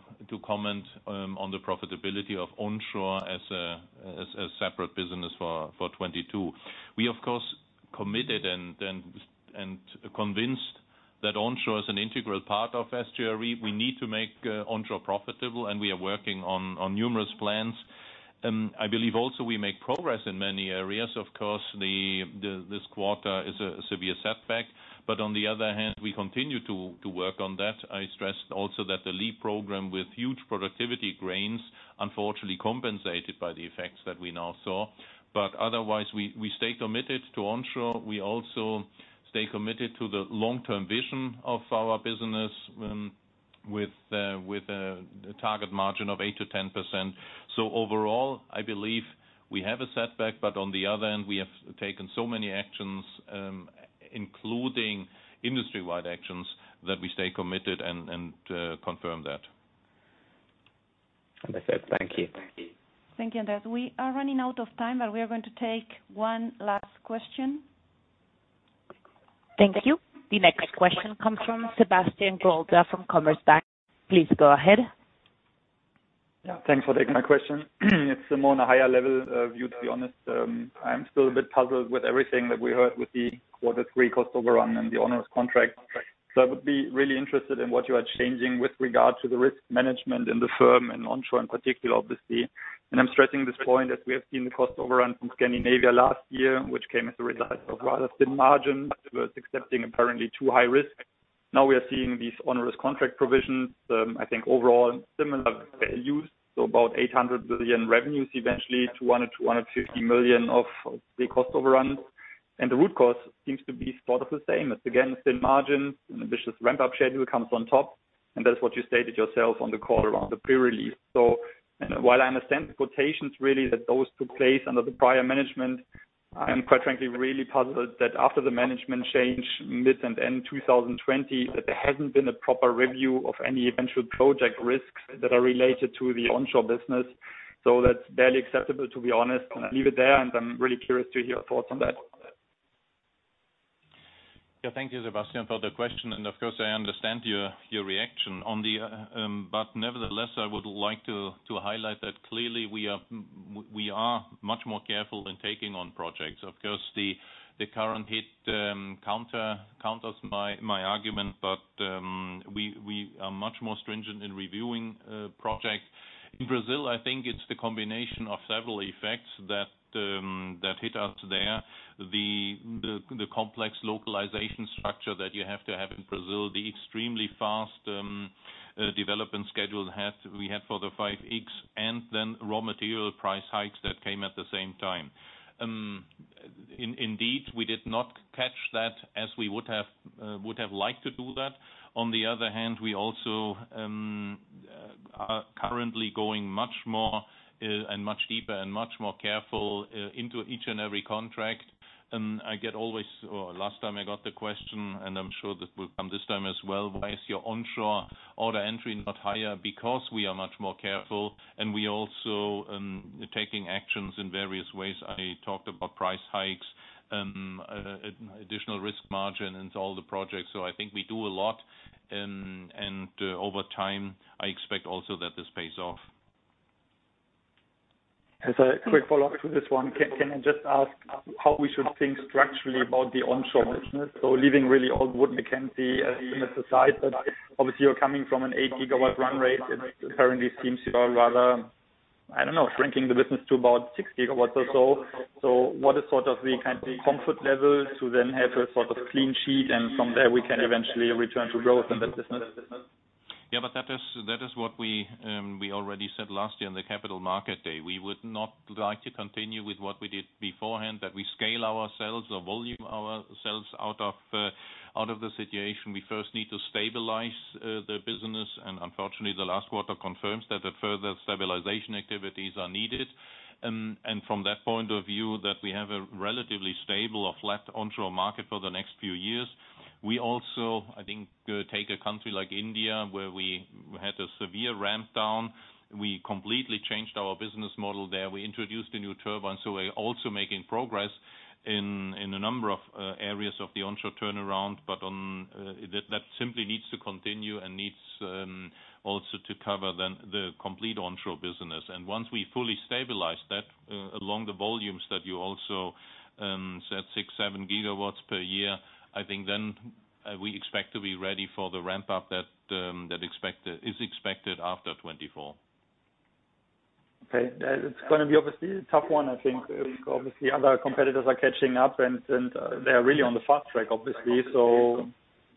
S2: comment on the profitability of onshore as a separate business for 2022. We, of course, committed and convinced that onshore is an integral part of SGRE. We need to make onshore profitable, and we are working on numerous plans. I believe also we make progress in many areas. Of course, this quarter is a severe setback, but on the other hand, we continue to work on that. I stressed also that the LEAP program with huge productivity gains, unfortunately compensated by the effects that we now saw. Otherwise, we stay committed to onshore. We also stay committed to the long-term vision of our business. With a target margin of 8%-10%. Overall, I believe we have a setback, but on the other end, we have taken so many actions, including industry-wide actions, that we stay committed and confirm that.
S6: Andreas, thank you.
S1: Thank you, Andreas. We are running out of time, but we are going to take one last question.
S4: Thank you. The next question comes from Sebastian Growe from Commerzbank. Please go ahead.
S14: Yeah. Thanks for taking my question. It's more on a higher level view, to be honest. I'm still a bit puzzled with everything that we heard with the quarter three cost overrun and the onerous contract. I would be really interested in what you are changing with regard to the risk management in the firm and onshore in particular, obviously. I'm stressing this point as we have seen the cost overrun from Scandinavia last year, which came as a result of rather thin margins versus accepting apparently too high risk. Now we are seeing these onerous contract provisions. I think overall similar values, about 800 billion revenues eventually to 100 million-150 million of the cost overruns. The root cause seems to be sort of the same. It's again, thin margin, an ambitious ramp-up schedule comes on top, and that's what you stated yourself on the call around the pre-release. While I understand the quotations really, that those took place under the prior management, I am quite frankly, really puzzled that after the management change mid and end 2020, that there hasn't been a proper review of any eventual project risks that are related to the onshore business. That's barely acceptable, to be honest. I'll leave it there, and I'm really curious to hear your thoughts on that.
S2: Yeah. Thank you, Sebastian, for the question, and of course, I understand your reaction. Nevertheless, I would like to highlight that clearly we are much more careful in taking on projects. Of course, the current hit counters my argument, but we are much more stringent in reviewing projects. In Brazil, I think it's the combination of several effects that hit us there. The complex localization structure that you have to have in Brazil, the extremely fast development schedule we had for the 5.X, and then raw material price hikes that came at the same time. Indeed, we did not catch that as we would have liked to do that. On the other hand, we also are currently going much more, and much deeper, and much more careful into each and every contract. Last time I got the question, and I'm sure that will come this time as well. Why is your onshore order entry not higher? We are much more careful, and we also taking actions in various ways. I talked about price hikes, additional risk margin into all the projects. I think we do a lot. Over time, I expect also that this pays off.
S14: As a quick follow-up to this one. Can I just ask how we should think structurally about the onshore business? Leaving really all Wood Mackenzie aside, but obviously you're coming from an 8 GW run rate. It apparently seems you are rather, I don't know, shrinking the business to about 6 GW or so. What is sort of the kind of comfort level to then have a sort of clean sheet, and from there we can eventually return to growth in that business?
S2: Yeah, that is what we already said last year on the capital market day. We would not like to continue with what we did beforehand, that we scale ourselves or volume ourselves out of the situation. We first need to stabilize the business, and unfortunately, the last quarter confirms that further stabilization activities are needed. From that point of view, that we have a relatively stable or flat onshore market for the next few years. We also, I think, take a country like India, where we had a severe ramp down. We completely changed our business model there. We introduced a new turbine, so we're also making progress in a number of areas of the onshore turnaround. That simply needs to continue and needs also to cover the complete onshore business. Once we fully stabilize that along the volumes that you also said, 6 GW, 7 GW per year, I think then we expect to be ready for the ramp-up that is expected after 2024.
S14: Okay. It is going to be obviously a tough one, I think. Obviously, other competitors are catching up, and they are really on the fast track, obviously.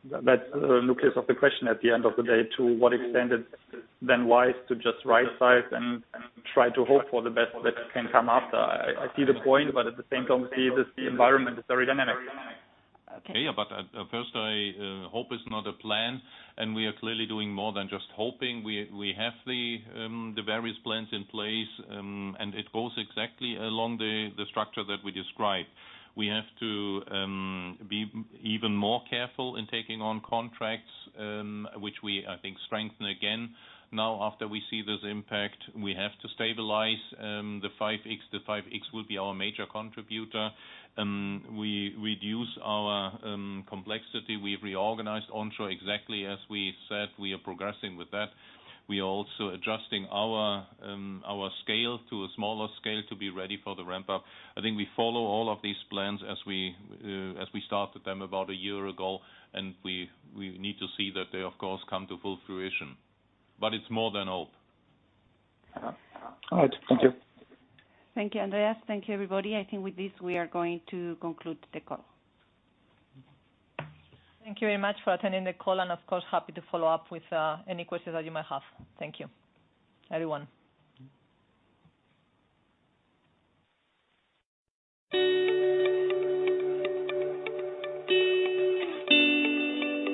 S14: That's the nucleus of the question at the end of the day, to what extent it is then wise to just rightsize and try to hope for the best that can come after. I see the point, but at the same time, obviously, this environment is very dynamic.
S2: Okay. Yeah, first, hope is not a plan, and we are clearly doing more than just hoping. We have the various plans in place, and it goes exactly along the structure that we described. We have to be even more careful in taking on contracts, which we, I think, strengthen again. Now after we see this impact, we have to stabilize the 5.X. The 5.X will be our major contributor. We reduce our complexity. We've reorganized onshore exactly as we said. We are progressing with that. We are also adjusting our scale to a smaller scale to be ready for the ramp-up. I think we follow all of these plans as we started them about a year ago, and we need to see that they of course come to full fruition, but it's more than hope.
S14: All right. Thank you.
S1: Thank you, Andreas. Thank you, everybody. I think with this, we are going to conclude the call.
S2: Thank you.
S3: Thank you very much for attending the call, of course, happy to follow up with any questions that you may have. Thank you, everyone.